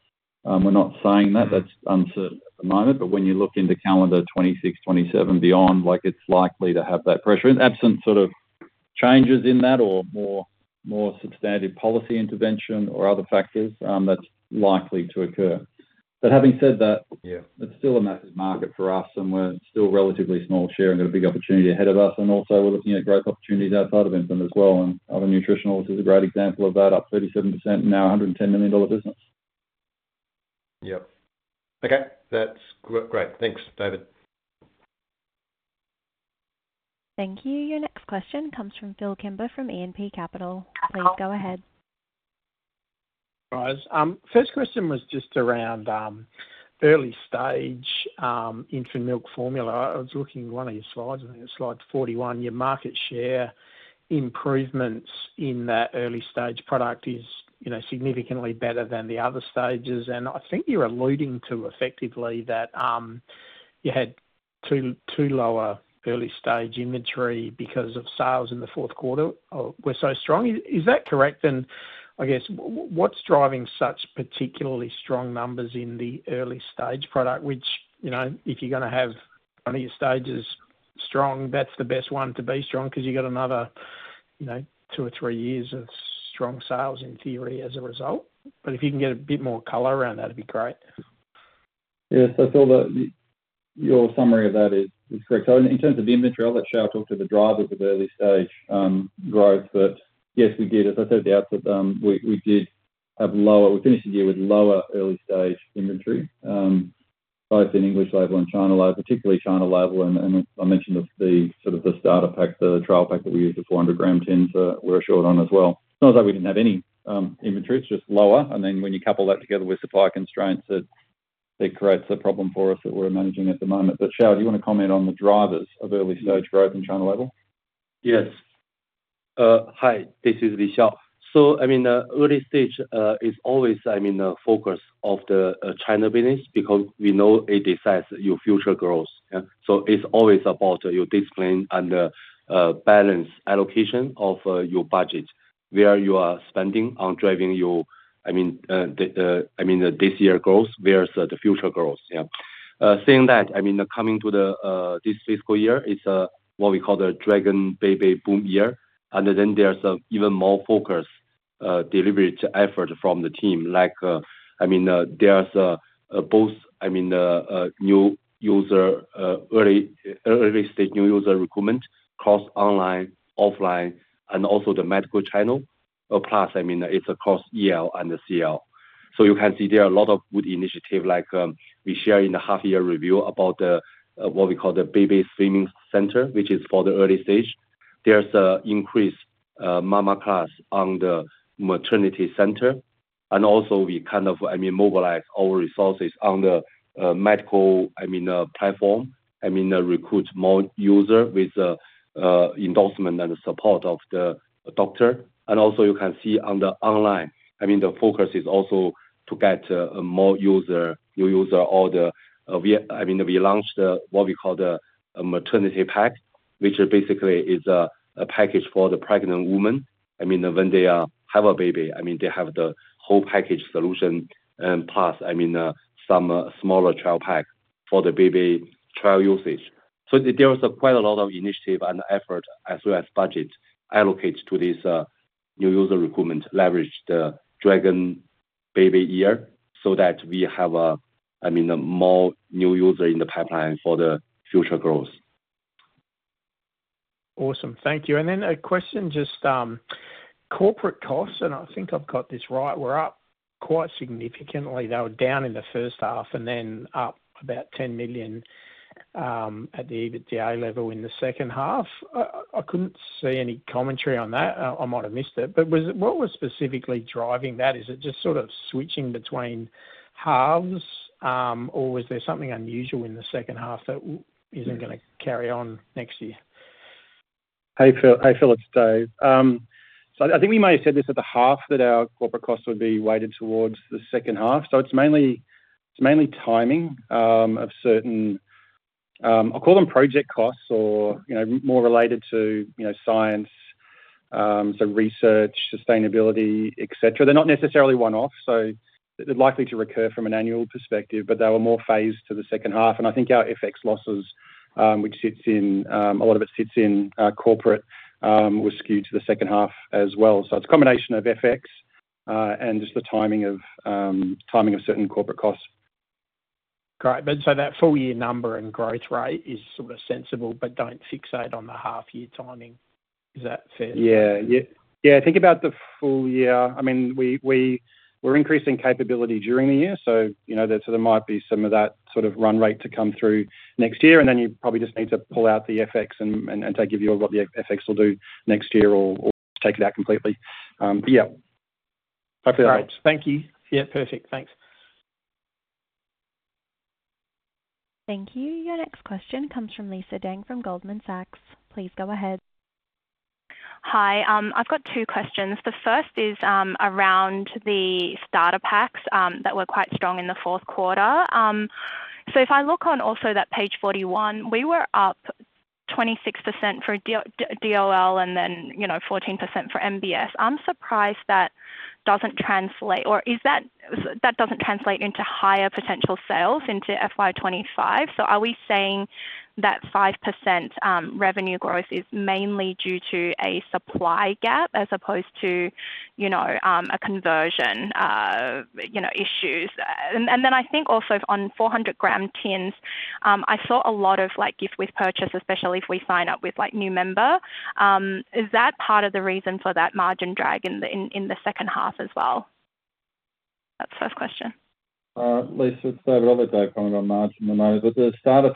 We're not saying that. That's uncertain at the moment. But when you look into calendar 2026, 2027, beyond, like, it's likely to have that pressure. And absent sort of changes in that or more substantive policy intervention or other factors, that's likely to occur. But having said that, yeah, it's still a massive market for us, and we're still relatively small share and got a big opportunity ahead of us, and also we're looking at growth opportunities outside of infant as well. And other nutritionals is a great example of that, up 37%, now a 110 million dollar business. Yep. Okay. That's great. Thanks, David. Thank you. Your next question comes from Phil Kimber, from AMP Capital. Please go ahead. Right. First question was just around early-stage infant milk formula. I was looking at one of your slides, and in Slide 41, your market share improvements in that early stage product is, you know, significantly better than the other stages. And I think you're alluding to, effectively, that you had too low an early-stage inventory because of sales in the fourth quarter were so strong. Is that correct? And I guess what's driving such particularly strong numbers in the early stage product, which, you know, if you're gonna have one of your stages strong, that's the best one to be strong, because you got another, you know, two or three years of strong sales in theory, as a result. But if you can get a bit more color around that, it'd be great. Yeah. So Phil, your summary of that is correct. So in terms of inventory, I'll let Sha talk to the drivers of early stage growth. But yes, we did, as I said at the outset, we did have lower- we finished the year with lower early-stage inventory.... both in English label and China label, particularly China label. And I mentioned that sort of the starter pack, the trial pack that we use, the 400g tins, we're short on as well. It's not that we didn't have any inventory, it's just lower. And then when you couple that together with supply constraints, it creates a problem for us that we're managing at the moment. But Xiao, do you wanna comment on the drivers of early stage growth in China label? Yes. Hi, this is Li Xiao. So I mean, early stage is always, I mean, a focus of the China business because we know it decides your future growth, yeah? So it's always about your discipline and balance, allocation of your budget, where you are spending on driving your-- I mean, the, I mean, this year growth versus the future growth. Yeah. Saying that, I mean, coming to this fiscal year, it's what we call the Dragon Baby Boom Year. And then there's even more focus, deliberate effort from the team. Like, I mean, there's both a new user early stage new user recruitment, across online, offline, and also the medical channel. Plus, I mean, it's across EL and the CL. So you can see there are a lot of good initiative, like, we share in the half year review about the, what we call the Baby Swimming Center, which is for the early stage. There's a increased, mama class on the maternity center, and also we kind of, I mean, mobilize our resources on the, medical, I mean, platform. I mean, recruit more user with, endorsement and support of the doctor. And also you can see on the online, I mean, the focus is also to get, more user, new user on the, I mean, we launched, what we call the, a maternity pack, which is basically is a package for the pregnant woman. I mean, when they have a baby, I mean, they have the whole package solution, plus, I mean, some smaller trial pack for the baby trial usage. So there was quite a lot of initiative and effort, as well as budget allocated to this new user recruitment, leverage the Dragon Baby Year, so that we have a, I mean, more new user in the pipeline for the future growth. Awesome. Thank you. And then a question, just, corporate costs, and I think I've got this right, were up quite significantly. They were down in the first half and then up about 10 million at the EBITDA level in the second half. I couldn't see any commentary on that. I might have missed it, but what was specifically driving that? Is it just sort of switching between halves, or was there something unusual in the second half that isn't gonna carry on next year? Hey, Phil, hey, Philip, Dave. So I think we may have said this at the half, that our corporate costs would be weighted towards the second half. So it's mainly timing of certain, I'll call them project costs or, you know, more related to, you know, science, so research, sustainability, et cetera. They're not necessarily one-off, so they're likely to recur from an annual perspective, but they were more phased to the second half. And I think our FX losses, which sits in, a lot of it sits in corporate, was skewed to the second half as well. So it's a combination of FX and just the timing of certain corporate costs. Great. But so that full year number and growth rate is sort of sensible, but don't fixate on the half year timing. Is that fair? Yeah. Yeah, yeah, think about the full year. I mean, we're increasing capability during the year, so you know, there might be some of that sort of run rate to come through next year. And then you probably just need to pull out the FX and to give you what the FX will do next year or take it out completely. Yeah. Hopefully that helps. Thank you. Yeah, perfect. Thanks. Thank you. Your next question comes from Lisa Deng, from Goldman Sachs. Please go ahead. Hi, I've got two questions. The first is around the starter packs that were quite strong in the fourth quarter. So if I look on also that page 41, we were up 26% for DOL, and then, you know, 14% for MBS. I'm surprised that doesn't translate, or is that that doesn't translate into higher potential sales into FY 2025. So are we saying that 5% revenue growth is mainly due to a supply gap as opposed to, you know, a conversion, you know, issues? And then I think also on 400g tins, I saw a lot of, like, gift with purchase, especially if we sign up with, like, new member. Is that part of the reason for that margin drag in the second half as well? That's the first question. Lisa, it's David. I'll let Dave comment on margin at the moment, but the starter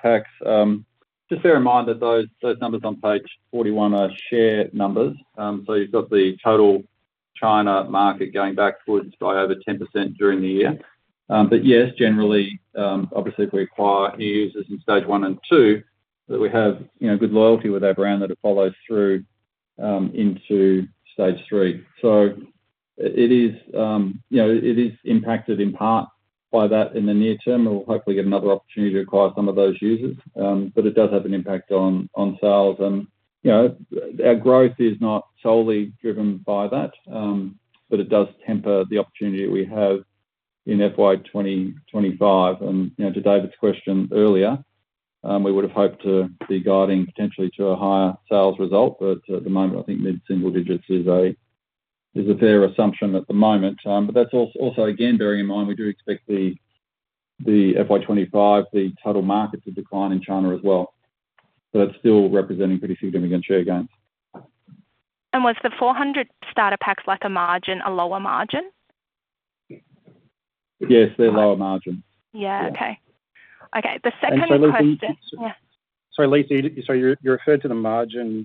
packs, just bear in mind that those numbers on page 41 are share numbers. So you've got the total China market going backwards by over 10% during the year. But yes, generally, obviously, if we acquire new users in stage one and two, that we have, you know, good loyalty with our brand, that it follows through into stage three. So it is, you know, it is impacted in part by that in the near term, and we'll hopefully get another opportunity to acquire some of those users. But it does have an impact on sales, and, you know, our growth is not solely driven by that, but it does temper the opportunity that we have in FY 2025. You know, to David's question earlier, we would have hoped to be guiding potentially to a higher sales result, but at the moment, I think mid-single digits is a fair assumption at the moment, but that's also, again, bearing in mind, we do expect the FY 2025, the total market to decline in China as well, but it's still representing pretty significant share gains.... And was the 400 starter packs like a lower margin? Yes, they're lower margin. Yeah. Okay. Yeah. Okay, the second question- And so, Lisa- Yeah. Sorry, Lisa, so you referred to the margin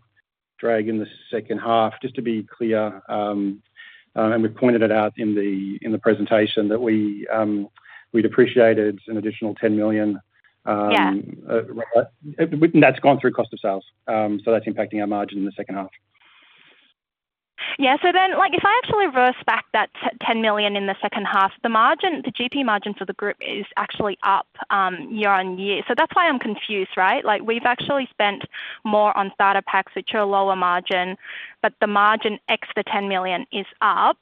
drag in the second half, just to be clear, and we've pointed it out in the presentation that we'd appreciated an additional 10 million. Yeah. That's gone through cost of sales. So that's impacting our margin in the second half. Yeah. So then, like, if I actually reverse back that 10 million in the second half, the margin, the GP margin for the group is actually up year-on-year. So that's why I'm confused, right? Like, we've actually spent more on starter packs, which are a lower margin, but the margin ex the 10 million is up.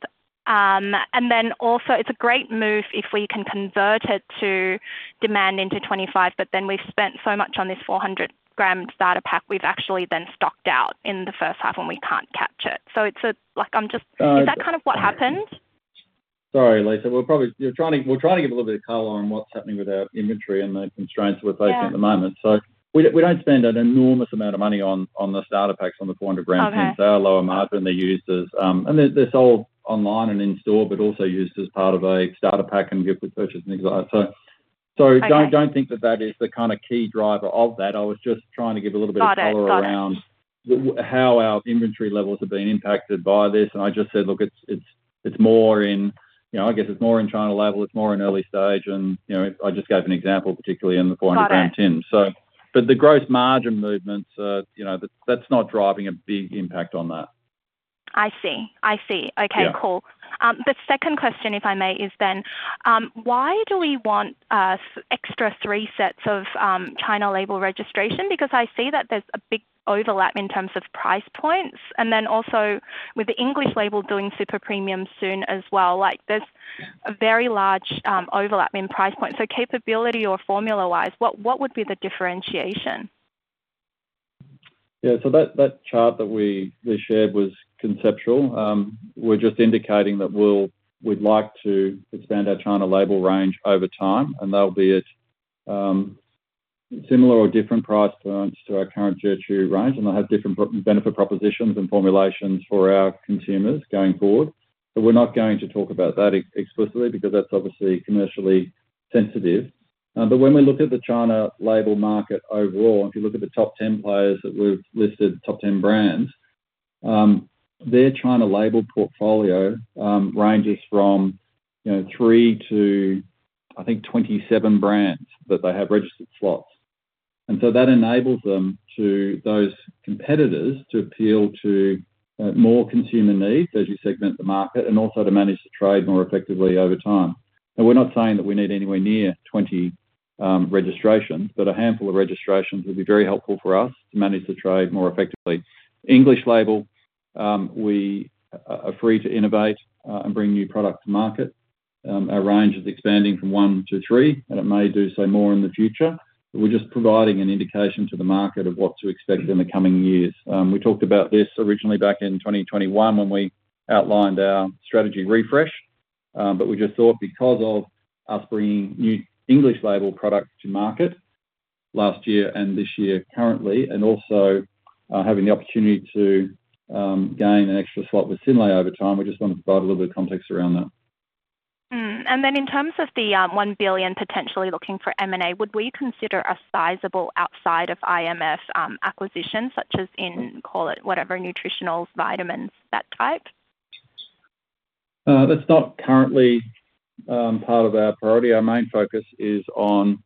And then also it's a great move if we can convert it to demand into 25, but then we've spent so much on this 400g starter pack, we've actually then stocked out in the first half, and we can't catch it. So it's a... Like, I'm just- Uh, yeah. Is that kind of what happened? Sorry, Lisa. We're probably trying to give a little bit of color on what's happening with our inventory and the constraints we're facing- Yeah... at the moment. So we don't spend an enormous amount of money on the starter packs, on the 400g Okay... tins. They are lower margin. They're used as, and they're sold online and in-store, but also used as part of a starter pack and gift with purchase and things like that. So, so- Okay... don't think that that is the kind of key driver of that. I was just trying to give a little bit of color- Got it. Got it... around how our inventory levels have been impacted by this, and I just said, look, it's more in, you know, I guess it's more in China label, it's more in early stage. And, you know, I just gave an example, particularly in the 400g tin. Got it. So, but the gross margin movements, you know, that's not driving a big impact on that. I see. I see. Yeah. Okay, cool. The second question, if I may, is then why do we want extra three sets of China label registration? Because I see that there's a big overlap in terms of price points, and then also with the English label doing super premium soon as well, like, there's a very large overlap in price points. So capability or formula-wise, what would be the differentiation? Yeah, so that chart that we shared was conceptual. We're just indicating that we'd like to expand our China label range over time, and they'll be at similar or different price points to our current Zhi Chu range, and they'll have different benefit propositions and formulations for our consumers going forward. But we're not going to talk about that explicitly because that's obviously commercially sensitive. But when we look at the China label market overall, if you look at the top ten players that we've listed, top ten brands, their China label portfolio ranges from, you know, three to, I think, 27 brands that they have registered slots. And so that enables them to, those competitors, to appeal to more consumer needs as you segment the market, and also to manage the trade more effectively over time. And we're not saying that we need anywhere near 20 registrations, but a handful of registrations would be very helpful for us to manage the trade more effectively. English label, we are free to innovate and bring new products to market. Our range is expanding from one to three, and it may do so more in the future, but we're just providing an indication to the market of what to expect in the coming years. We talked about this originally back in 2021 when we outlined our strategy refresh, but we just thought because of us bringing new English label products to market last year and this year currently, and also, having the opportunity to gain an extra slot with Synlait over time, we just wanted to provide a little bit of context around that. And then in terms of the 1 billion potentially looking for M&A, would we consider a sizable outside of IMF acquisition, such as in, call it, whatever, nutritionals, vitamins, that type? That's not currently part of our priority. Our main focus is on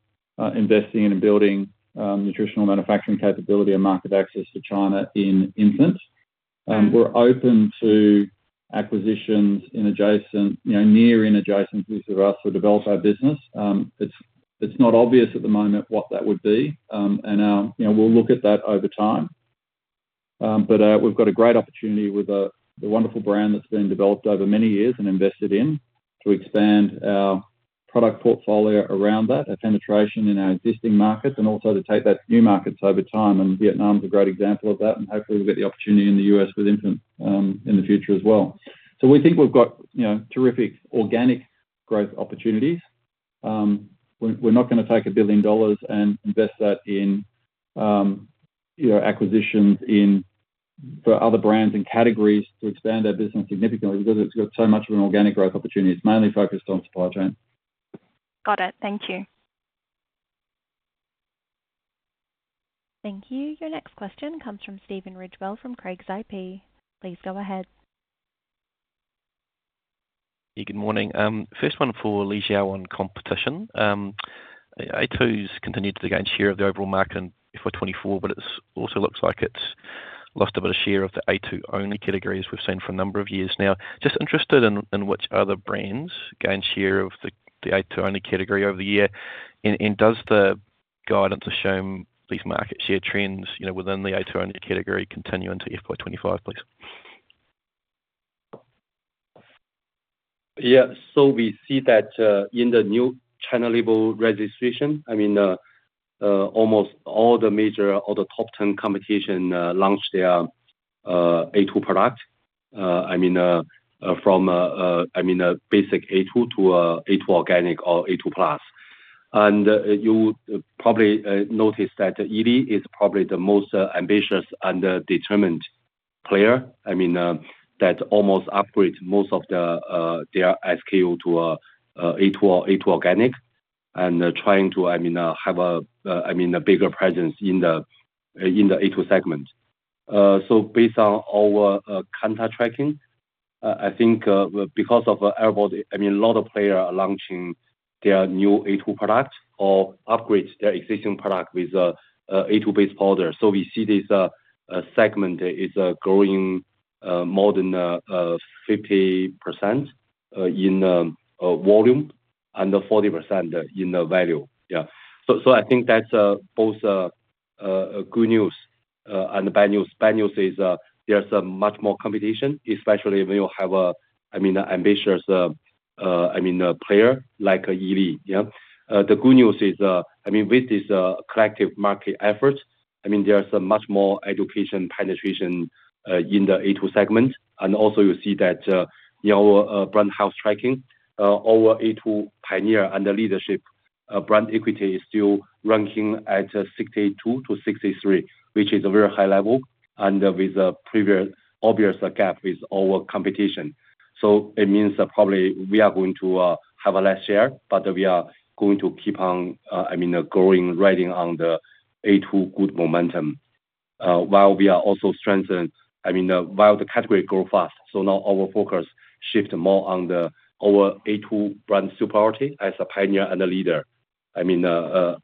investing and building nutritional manufacturing capability and market access to China in infants. We're open to acquisitions in adjacent, you know, near and adjacent pieces of us to develop our business. It's not obvious at the moment what that would be, and you know, we'll look at that over time, but we've got a great opportunity with the wonderful brand that's been developed over many years and invested in to expand our product portfolio around that, our penetration in our existing markets, and also to take that to new markets over time, and Vietnam's a great example of that, and hopefully we'll get the opportunity in the US with infants in the future as well. So we think we've got, you know, terrific organic growth opportunities. We're not gonna take 1 billion dollars and invest that in, you know, acquisitions in, for other brands and categories to expand our business significantly because it's got so much of an organic growth opportunity. It's mainly focused on supply chain. Got it. Thank you. Thank you. Your next question comes from Stephen Ridgewell, from Craigs IP. Please go ahead. Yeah, good morning. First one for Li Xiao on competition. a2's continued to gain share of the overall market in FY 2024, but it also looks like it's lost a bit of share of the a2-only category, as we've seen for a number of years now. Just interested in which other brands gain share of the a2-only category over the year, and does the guidance assume these market share trends, you know, within the a2-only category continue into FY 2025, please? Yeah. So we see that in the new China label registration, I mean, almost all the major, all the top ten competitors launched their a2 product. I mean, from a basic a2 to an a2 organic or a2+. You probably noticed that ED is probably the most ambitious and determined player. I mean, that almost upgrades most of their SKU to a2, a2 organic, and trying to, I mean, have a bigger presence in the a2 segment. So based on our consumer tracking, I think because of everybody, I mean, a lot of players are launching their new a2 product or upgrade their existing product with a a2-based powder. So we see this segment is growing more than 50% in volume, and 40% in the value. Yeah. So I think that's both a good news and bad news. Bad news is, there's a much more competition, especially when you have a, I mean, ambitious, I mean, a player like ED, yeah. The good news is, I mean, with this collective market effort, I mean, there's a much more education penetration in the A two segment. And also you see that, you know, brand health tracking, our A two pioneer and the leadership brand equity is still ranking at 62-63, which is a very high level, and with a previous obvious gap with our competition. So it means that probably we are going to have a less share, but we are going to keep on, I mean, growing, riding on the A two good momentum, while we are also strengthening, I mean, while the category grow fast. So now our focus shift more on the, our a2 brand superiority as a pioneer and a leader. I mean,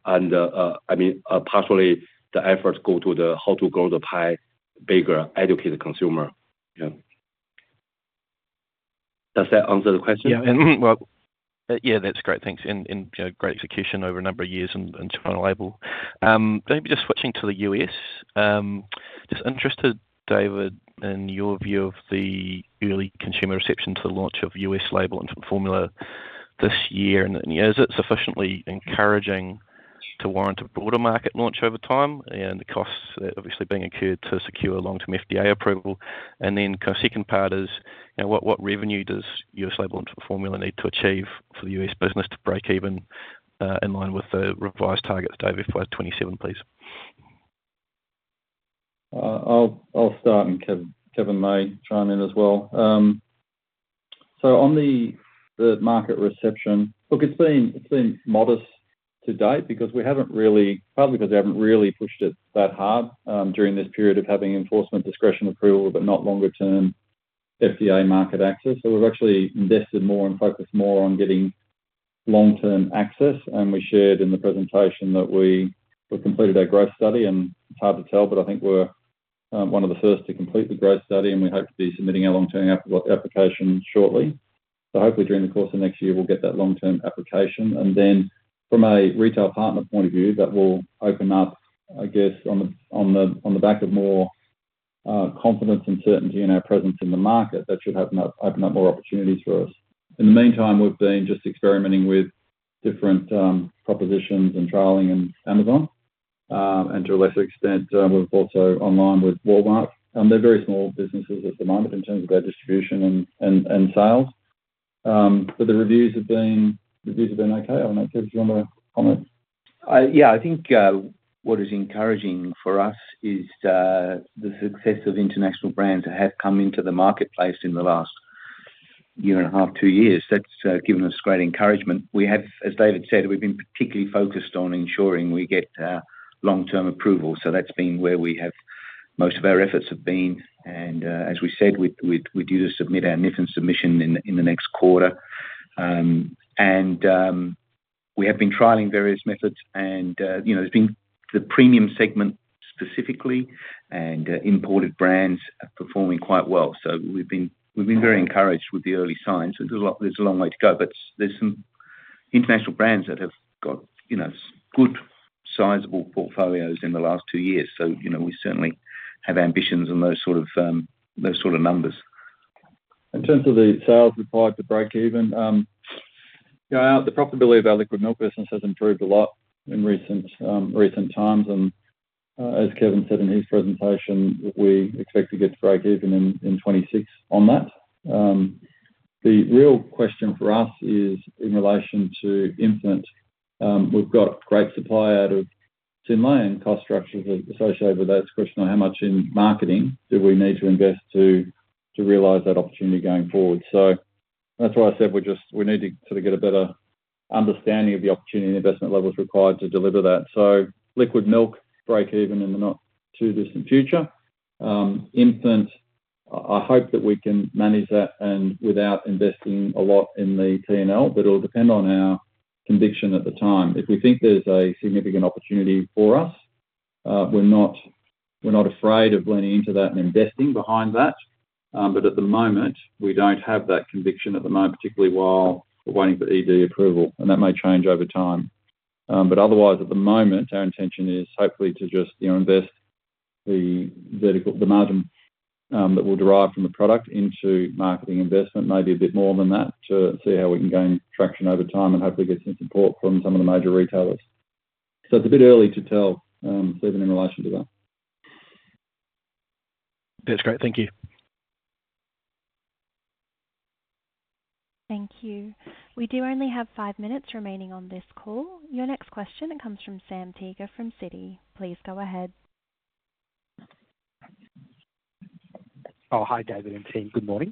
partially the efforts go to the how to grow the pie bigger, educate the consumer. Yeah. Does that answer the question? Yeah. Well, yeah, that's great. Thanks. And you know, great execution over a number of years and English label. Maybe just switching to the U.S., just interested, David, in your view of the early consumer reception to the launch of US label infant formula this year, and you know, is it sufficiently encouraging to warrant a broader market launch over time? And the costs obviously being incurred to secure long-term FDA approval. And then kind of second part is, you know, what revenue does US label infant formula need to achieve for the US business to break even in line with the revised targets, David, for 27, please. I'll start, and Kevin may chime in as well. So on the market reception, look, it's been modest to date because partly we haven't really pushed it that hard during this period of having enforcement discretion approval, but not longer-term FDA market access. So we've actually invested more and focused more on getting long-term access, and we shared in the presentation that we've completed our growth study, and it's hard to tell, but I think we're one of the first to complete the growth study, and we hope to be submitting our long-term application shortly. So hopefully during the course of next year, we'll get that long-term application. And then from a retail partner point of view, that will open up, I guess, on the back of more confidence and certainty in our presence in the market. That should open up more opportunities for us. In the meantime, we've been just experimenting with different propositions and trialing in Amazon. And to a lesser extent, we're also online with Walmart. They're very small businesses at the moment in terms of their distribution and sales. But the reviews have been okay. I don't know, Kevin, do you want to comment? Yeah, I think what is encouraging for us is the success of international brands that have come into the marketplace in the last year and a half, two years. That's given us great encouragement. We have, as David said, we've been particularly focused on ensuring we get long-term approval. So that's been where most of our efforts have been, and as we said, we we're due to submit our NIFIN submission in the next quarter. And we have been trialing various methods and you know, it's been the premium segment specifically, and imported brands are performing quite well. So we've been very encouraged with the early signs. There's a long way to go, but there's some international brands that have got, you know, good sizable portfolios in the last two years. So, you know, we certainly have ambitions on those sort of numbers. In terms of the sales required to break even, the profitability of our liquid milk business has improved a lot in recent times, and as Kevin said in his presentation, we expect to get to break even in 2026 on that. The real question for us is in relation to infant. We've got great supply out of Synlait, and cost structures associated with that. It's a question of how much in marketing do we need to invest to realize that opportunity going forward. That's why I said we need to sort of get a better understanding of the opportunity and investment levels required to deliver that. Liquid milk, break even in the not too distant future. I hope that we can manage that and without investing a lot in the PNL, but it'll depend on our conviction at the time. If we think there's a significant opportunity for us, we're not afraid of leaning into that and investing behind that. But at the moment, we don't have that conviction at the time, particularly while we're waiting for FDA approval, and that may change over time. But otherwise, at the moment, our intention is hopefully to just, you know, invest the margin that will derive from the product into marketing investment, maybe a bit more than that, to see how we can gain traction over time and hopefully get some support from some of the major retailers. So it's a bit early to tell, Stephen, in relation to that. That's great. Thank you. Thank you. We do only have five minutes remaining on this call. Your next question comes from Sam Teeger from Citi. Please go ahead. Oh, hi, David and team. Good morning.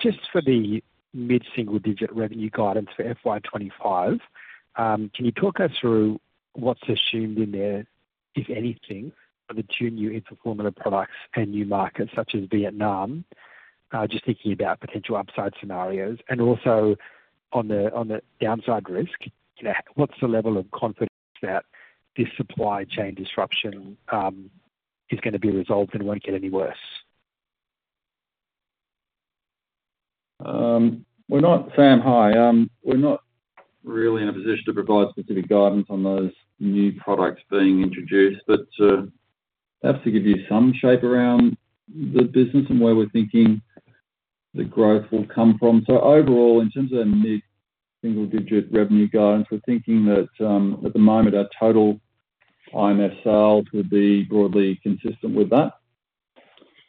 Just for the mid-single digit revenue guidance for FY 2025, can you talk us through what's assumed in there, if anything, for the two new infant milk formula products and new markets such as Vietnam? Just thinking about potential upside scenarios and also on the downside risk, you know, what's the level of confidence that this supply chain disruption is gonna be resolved and won't get any worse? We're not... Sam, hi. We're not really in a position to provide specific guidance on those new products being introduced, but perhaps to give you some shape around the business and where we're thinking the growth will come from. So overall, in terms of our mid-single digit revenue guidance, we're thinking that at the moment, our total IMF sales would be broadly consistent with that.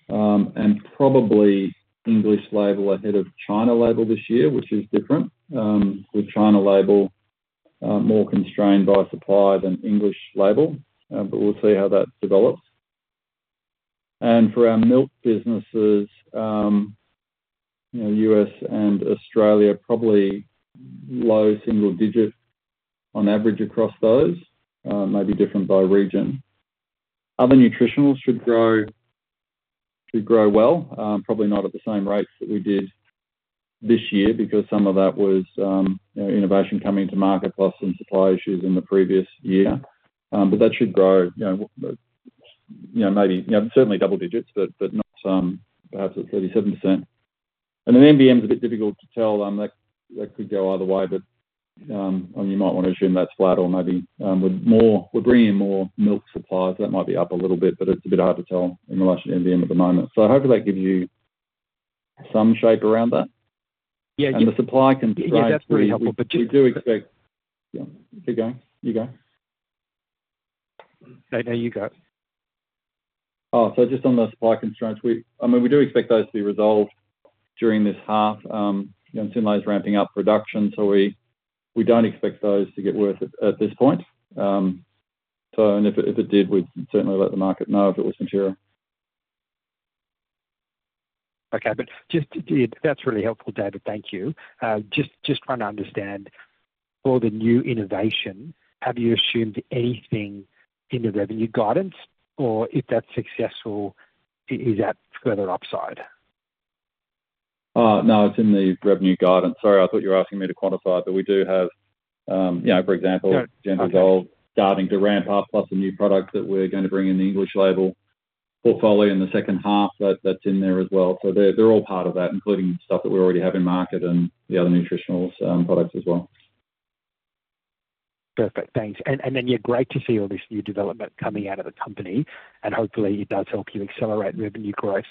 And probably English label ahead of China label this year, which is different. With China label more constrained by supply than English label, but we'll see how that develops. And for our milk businesses, you know, U.S. and Australia, probably low single digits on average across those, maybe different by region. Other nutritionals should grow, should grow well, probably not at the same rates that we did this year, because some of that was, you know, innovation coming to market, plus some supply issues in the previous year. But that should grow, you know, you know, maybe, you know, certainly double digits, but, but not, perhaps at 37%. And then MVM's a bit difficult to tell, that, that could go either way, but, and you might wanna assume that's flat or maybe, we're bringing in more milk supplies. That might be up a little bit, but it's a bit hard to tell in relation to MVM at the moment. So hopefully that gives you some shape around that. Yeah. The supply constraints- Yeah, that's very helpful. But- We do expect... Yeah, keep going. You go. No, no, you go. Oh, so just on the supply constraints, I mean, we do expect those to be resolved during this half. You know, Synlait is ramping up production, so we don't expect those to get worse at this point. So, and if it did, we'd certainly let the market know if it was material. Okay, but just to... That's really helpful, David. Thank you. Just trying to understand, all the new innovation, have you assumed anything in the revenue guidance or if that's successful, is that further upside? No, it's in the revenue guidance. Sorry, I thought you were asking me to quantify it, but we do have, you know, for example- No. Gentle Gold starting to ramp up, plus the new products that we're gonna bring in the English label portfolio in the second half, that, that's in there as well. So they're all part of that, including stuff that we already have in market and the other nutritionals products as well. Perfect. Thanks. And then, yeah, great to see all this new development coming out of the company, and hopefully it does help you accelerate revenue growth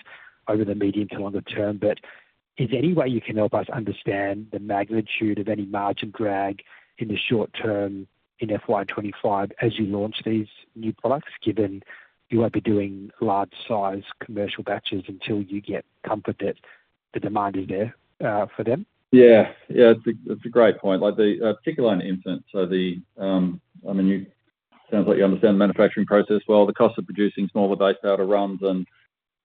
over the medium to longer term. But is there any way you can help us understand the magnitude of any margin drag in the short term in FY 2025 as you launch these new products, given you won't be doing large size commercial batches until you get comfort that the demand is there for them? Yeah. It's a great point. Like, particularly on infant, I mean, sounds like you understand the manufacturing process well. The cost of producing smaller base powder runs and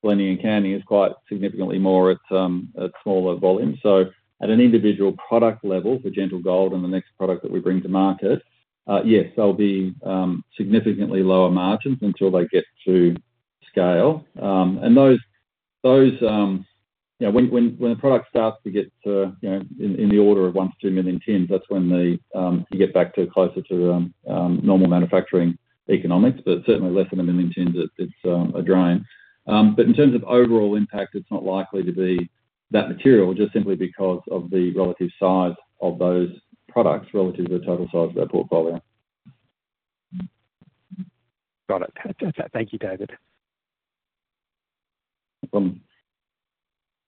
blending and canning is quite significantly more at smaller volumes. So at an individual product level, for Gentle Gold and the next product that we bring to market, yes, they'll be significantly lower margins until they get to scale. And those, you know, when a product starts to get, you know, in the order of one to 2 million tins, that's when you get back to closer to normal manufacturing economics, but certainly less than a million tins, it's a drain. But in terms of overall impact, it's not likely to be that material, just simply because of the relative size of those products relative to the total size of our portfolio. Got it. That's it. Thank you, David. Welcome.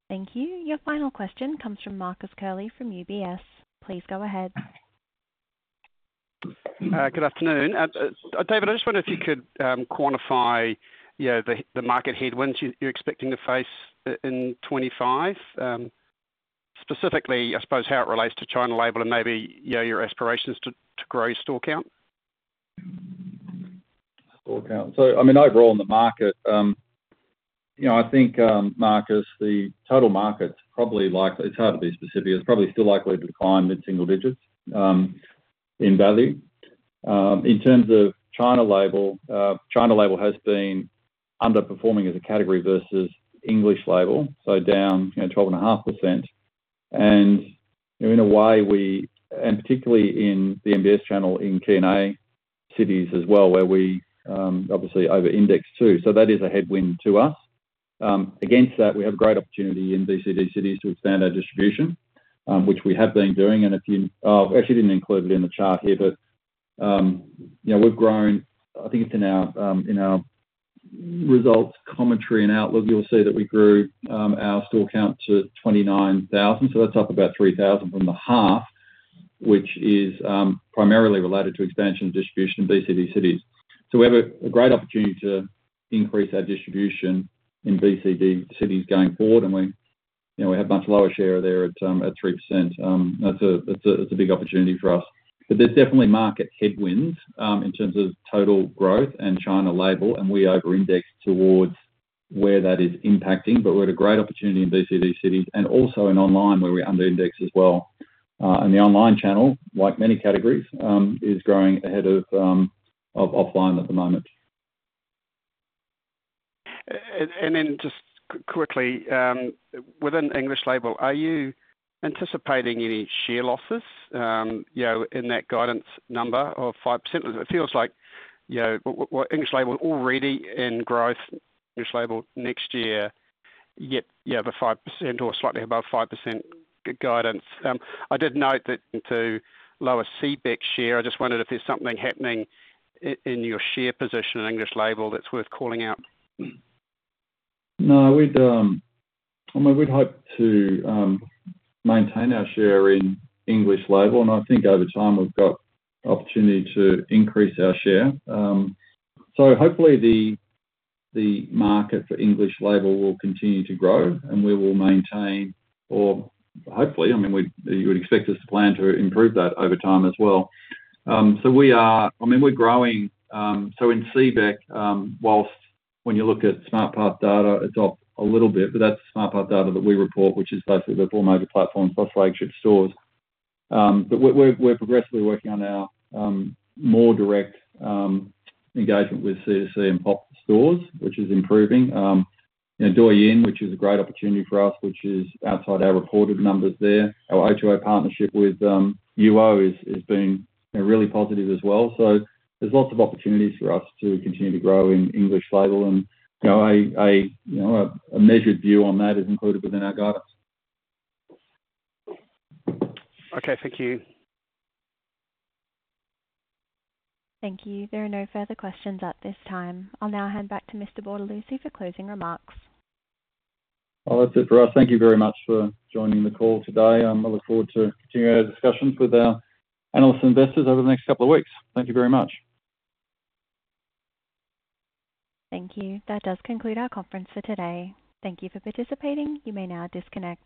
Thank you. Your final question comes from Marcus Curley from UBS. Please go ahead. Good afternoon. David, I just wonder if you could quantify, you know, the market headwinds you're expecting to face in 2025? Specifically, I suppose, how it relates to China label and maybe, you know, your aspirations to grow store count. Store count. So I mean, overall in the market, you know, I think, Marcus, the total market's probably likely. It's hard to be specific. It's probably still likely to decline mid-single digits, in value. In terms of China label, China label has been underperforming as a category versus English label, so down, you know, 12.5%. And in a way, we and particularly in the MBS channel, in key and A cities as well, where we, obviously over-index too. So that is a headwind to us. Against that, we have great opportunity in BCD cities to expand our distribution, which we have been doing, and actually didn't include it in the chart here, but, you know, we've grown, I think it's in our, in our results, commentary, and outlook, you'll see that we grew our store count to 29,000, so that's up about 3,000 from the half. Which is primarily related to expansion of distribution in BCD cities. So we have a great opportunity to increase our distribution in BCD cities going forward, and we, you know, we have much lower share there at 3%. That's a big opportunity for us. But there's definitely market headwinds in terms of total growth and China label, and we over-index towards where that is impacting. But we're at a great opportunity in BCD cities and also in online, where we under-index as well. And the online channel, like many categories, is growing ahead of offline at the moment. And then just quickly, within English label, are you anticipating any share losses, you know, in that guidance number of 5%? It feels like, you know, what English label already in growth, English label next year, yep, you have a 5% or slightly above 5% guidance. I did note that to lower CBEC share, I just wondered if there's something happening in your share position in English label that's worth calling out? No, we'd, I mean, we'd hope to maintain our share in English label, and I think over time, we've got opportunity to increase our share. So hopefully, the market for English label will continue to grow, and we will maintain or hopefully, I mean, you would expect us to plan to improve that over time as well. So we are, I mean, we're growing, so in CBEC, while when you look at SmartPath Data, it's up a little bit, but that's the SmartPath Data that we report, which is basically the Tmall platform plus flagship stores. But we're progressively working on our more direct engagement with CVS and pop stores, which is improving. You know, Douyin, which is a great opportunity for us, which is outside our reported numbers there. Our O2O partnership with Yuou is being, you know, really positive as well. So there's lots of opportunities for us to continue to grow in English label, and, you know, a measured view on that is included within our guidance. Okay, thank you. Thank you. There are no further questions at this time. I'll now hand back to Mr. Bortolussi for closing remarks. That's it for us. Thank you very much for joining the call today. I look forward to continuing our discussions with our analyst investors over the next couple of weeks. Thank you very much. Thank you. That does conclude our conference for today. Thank you for participating. You may now disconnect.